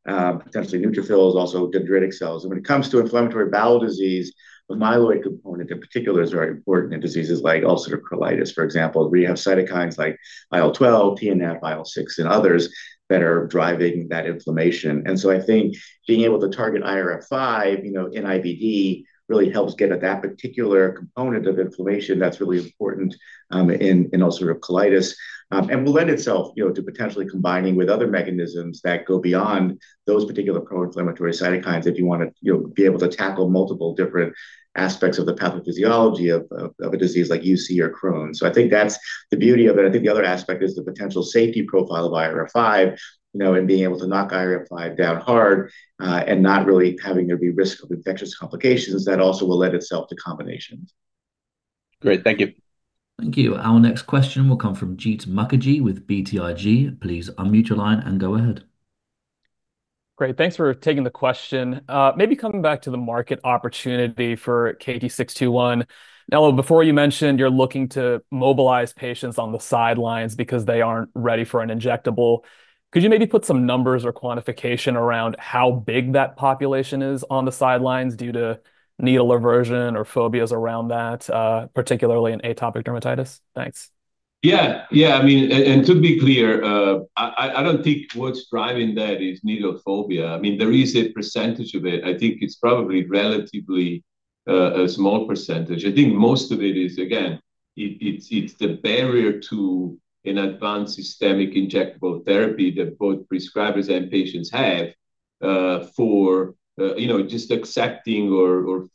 potentially neutrophils, also dendritic cells. When it comes to inflammatory bowel disease, the myeloid component in particular is very important in diseases like ulcerative colitis, for example, where you have cytokines like IL-12, TNF, IL-6, and others that are driving that inflammation. I think being able to target IRF5, you know, in IBD really helps get at that particular component of inflammation that's really important in ulcerative colitis and will lend itself, you know, to potentially combining with other mechanisms that go beyond those particular proinflammatory cytokines if you wanna, you know, be able to tackle multiple different aspects of the pathophysiology of a disease like UC or Crohn's. I think that's the beauty of it. I think the other aspect is the potential safety profile of IRF5, you know, and being able to knock IRF5 down hard and not really having there be risk of infectious complications. That also will lend itself to combinations. Great. Thank you. Thank you. Our next question will come from Jeet Mukherjee with BTIG. Please unmute your line and go ahead. Great. Thanks for taking the question. Maybe coming back to the market opportunity for KT-621. Nello, before you mentioned you're looking to mobilize patients on the sidelines because they aren't ready for an injectable, could you maybe put some numbers or quantification around how big that population is on the sidelines due to needle aversion or phobias around that, particularly in atopic dermatitis? Thanks. Yeah. Yeah. I mean, and to be clear, I don't think what's driving that is needle phobia. I mean, there is a percentage of it. I think it's probably relatively a small percentage. I think most of it is, again, it's the barrier to an advanced systemic injectable therapy that both prescribers and patients have for you know, just accepting or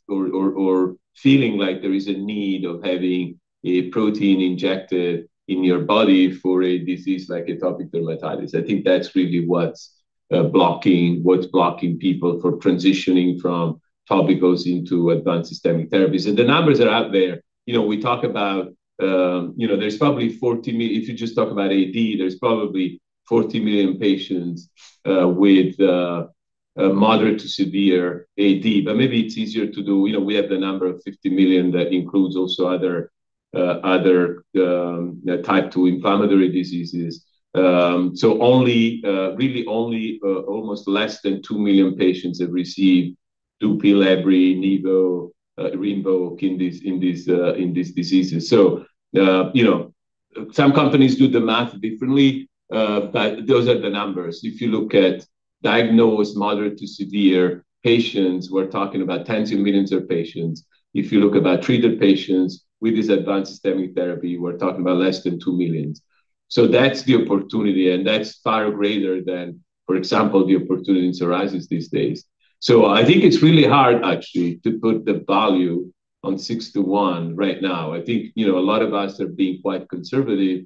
feeling like there is a need of having a protein injected in your body for a disease like atopic dermatitis. I think that's really what's blocking people from transitioning from topicals into advanced systemic therapies. The numbers are out there. You know, we talk about. You know, if you just talk about AD, there's probably 40 million patients, with moderate to severe AD. Maybe it's easier to do. You know, we have the number of 50 million that includes also other type 2 inflammatory diseases. Really only almost less than 2 million patients have received dupilumab, Adbry, Rinvoq in these, in these, in these diseases. You know, some companies do the math differently, but those are the numbers. If you look at diagnosed moderate to severe patients, we're talking about tens of millions of patients. If you look about treated patients with this advanced systemic therapy, we're talking about less than 2 million. That's the opportunity, and that's far greater than, for example, the opportunity in psoriasis these days. I think it's really hard actually to put the value on KT-621 right now. I think, you know, a lot of us are being quite conservative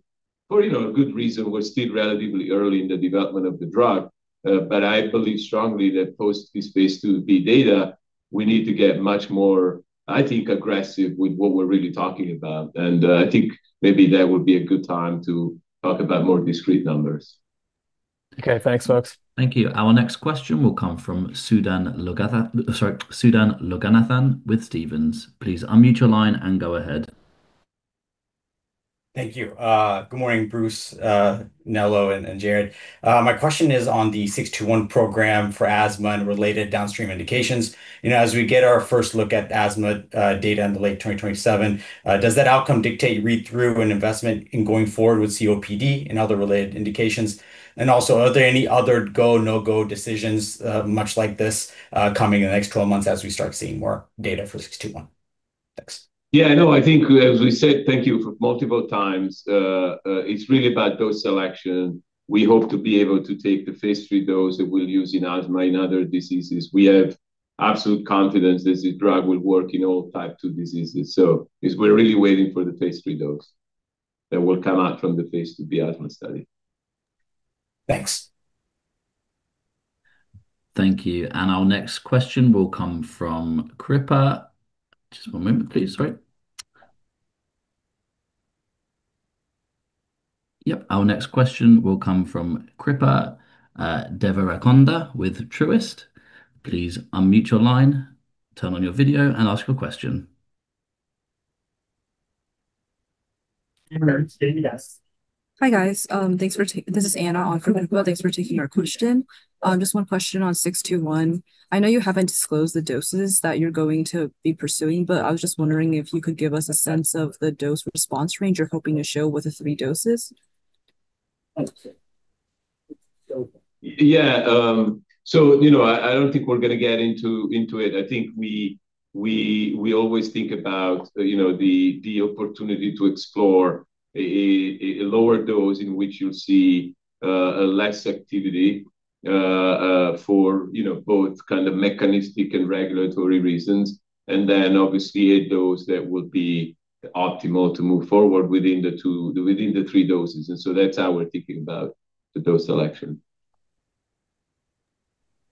for, you know, a good reason. We're still relatively early in the development of the drug. I believe strongly that post this phase II-B data, we need to get much more, I think, aggressive with what we're really talking about. I think maybe that would be a good time to talk about more discrete numbers. Okay. Thanks folks. Thank you. Our next question will come from Sudan Loganathan with Stephens. Please unmute your line and go ahead. Thank you. Good morning, Bruce, Nello and Jared. My question is on the KT-621 program for asthma and related downstream indications. You know, as we get our first look at asthma data in the late 2027, does that outcome dictate read-through and investment in going forward with COPD and other related indications? Also, are there any other go, no-go decisions much like this coming in the next 12 months as we start seeing more data for KT-621? Thanks. Yeah, no, I think as we said thank you multiple times, it's really about dose selection. We hope to be able to take the phase III dose that we'll use in asthma in other diseases. We have absolute confidence that the drug will work in all type 2 diseases. We're really waiting for the phase III dose that will come out from the phase II-B asthma study. Thanks. Thank you. Our next question will come from Kripa. Just one moment please. Sorry. Yep. Our next question will come from Srikripa Devarakonda with Truist. Please unmute your line, turn on your video and ask your question. You may proceed, yes. Hi, guys. This is Anna on from Truist. Thanks for taking our question. Just one question on KT-621. I know you haven't disclosed the doses that you're going to be pursuing, but I was just wondering if you could give us a sense of the dose response range you're hoping to show with the three doses. Yeah. You know, I don't think we're gonna get into it. I think we always think about, you know, the opportunity to explore a lower dose in which you'll see less activity for, you know, both kind of mechanistic and regulatory reasons, and then obviously a dose that would be optimal to move forward within the three doses. That's how we're thinking about the dose selection.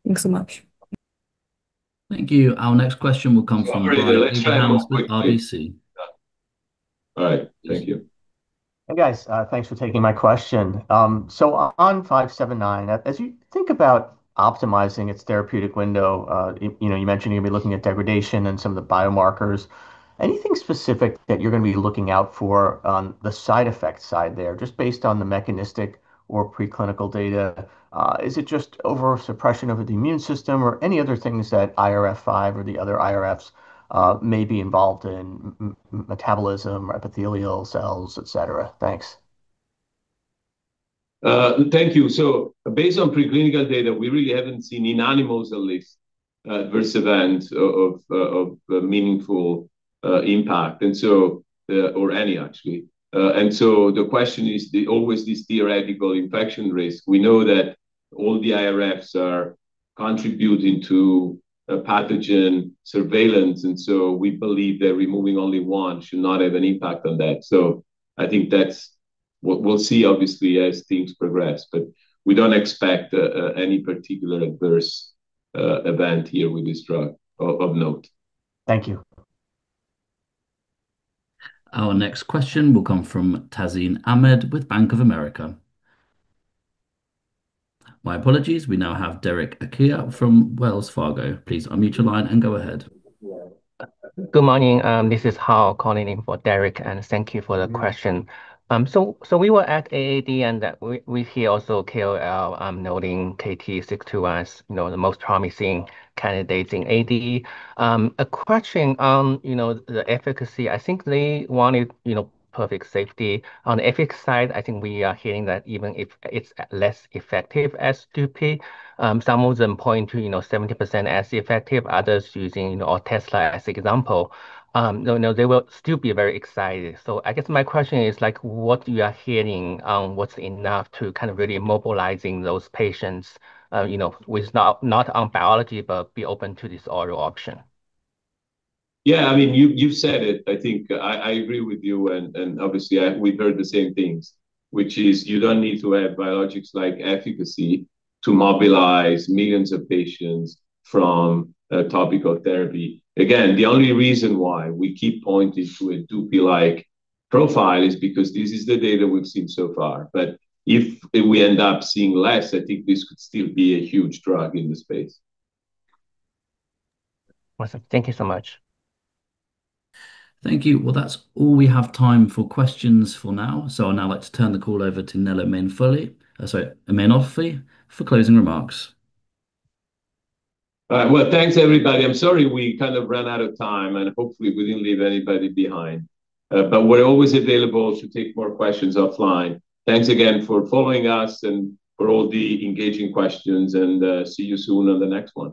Thanks so much. Thank you. Our next question will come from. Sorry. Let me turn it off quickly. Evan Szakos with RBC Capital Markets. All right. Thank you. Hey, guys. Thanks for taking my question. On KT-579, as you think about optimizing its therapeutic window, you know, you mentioned you're going to be looking at degradation and some of the biomarkers. Anything specific that you're going to be looking out for on the side effects side there, just based on the mechanistic or preclinical data? Is it just over suppression over the immune system or any other things that IRF5 or the other IRFs may be involved in metabolism, epithelial cells, et cetera? Thanks. Thank you. Based on pre-clinical data, we really haven't seen, in animals at least, adverse event of meaningful impact or any actually. The question is always this theoretical infection risk. We know that all the IRFs are contributing to pathogen surveillance, and so we believe that removing only one should not have an impact on that. I think that's what we'll see obviously as things progress, but we don't expect any particular adverse event here with this drug of note. Thank you. Our next question will come from Tazeen Ahmad with Bank of America. My apologies, we now have Derek Archila from Wells Fargo. Please unmute your line and go ahead. Good morning, this is Hal calling in for Derek, thank you for the question. We were at AAD that we hear also KOLs noting KT-621's, you know, the most promising candidates in AD. A question on, you know, the efficacy. I think they wanted, you know, perfect safety. On the efficacy side, I think we are hearing that even if it's less effective as Dupixent, some of them point to, you know, 70% as effective, others using, you know, or Adbry as example, you know, they will still be very excited. I guess my question is like what you are hearing on what's enough to kind of really mobilizing those patients, you know, with not on biology, but be open to this oral option? Yeah, I mean, you've said it. I think I agree with you and obviously we've heard the same things, which is you don't need to have biologics like efficacy to mobilize millions of patients from a topical therapy. The only reason why we keep pointing to a Dupi-like profile is because this is the data we've seen so far. If we end up seeing less, I think this could still be a huge drug in the space. Awesome. Thank you so much. Thank you. Well, that is all we have time for questions for now. I would now like to turn the call over to Mainolfi for closing remarks. All right. Well, thanks everybody. I'm sorry we kind of ran out of time, and hopefully we didn't leave anybody behind. We're always available to take more questions offline. Thanks again for following us and for all the engaging questions. See you soon on the next one.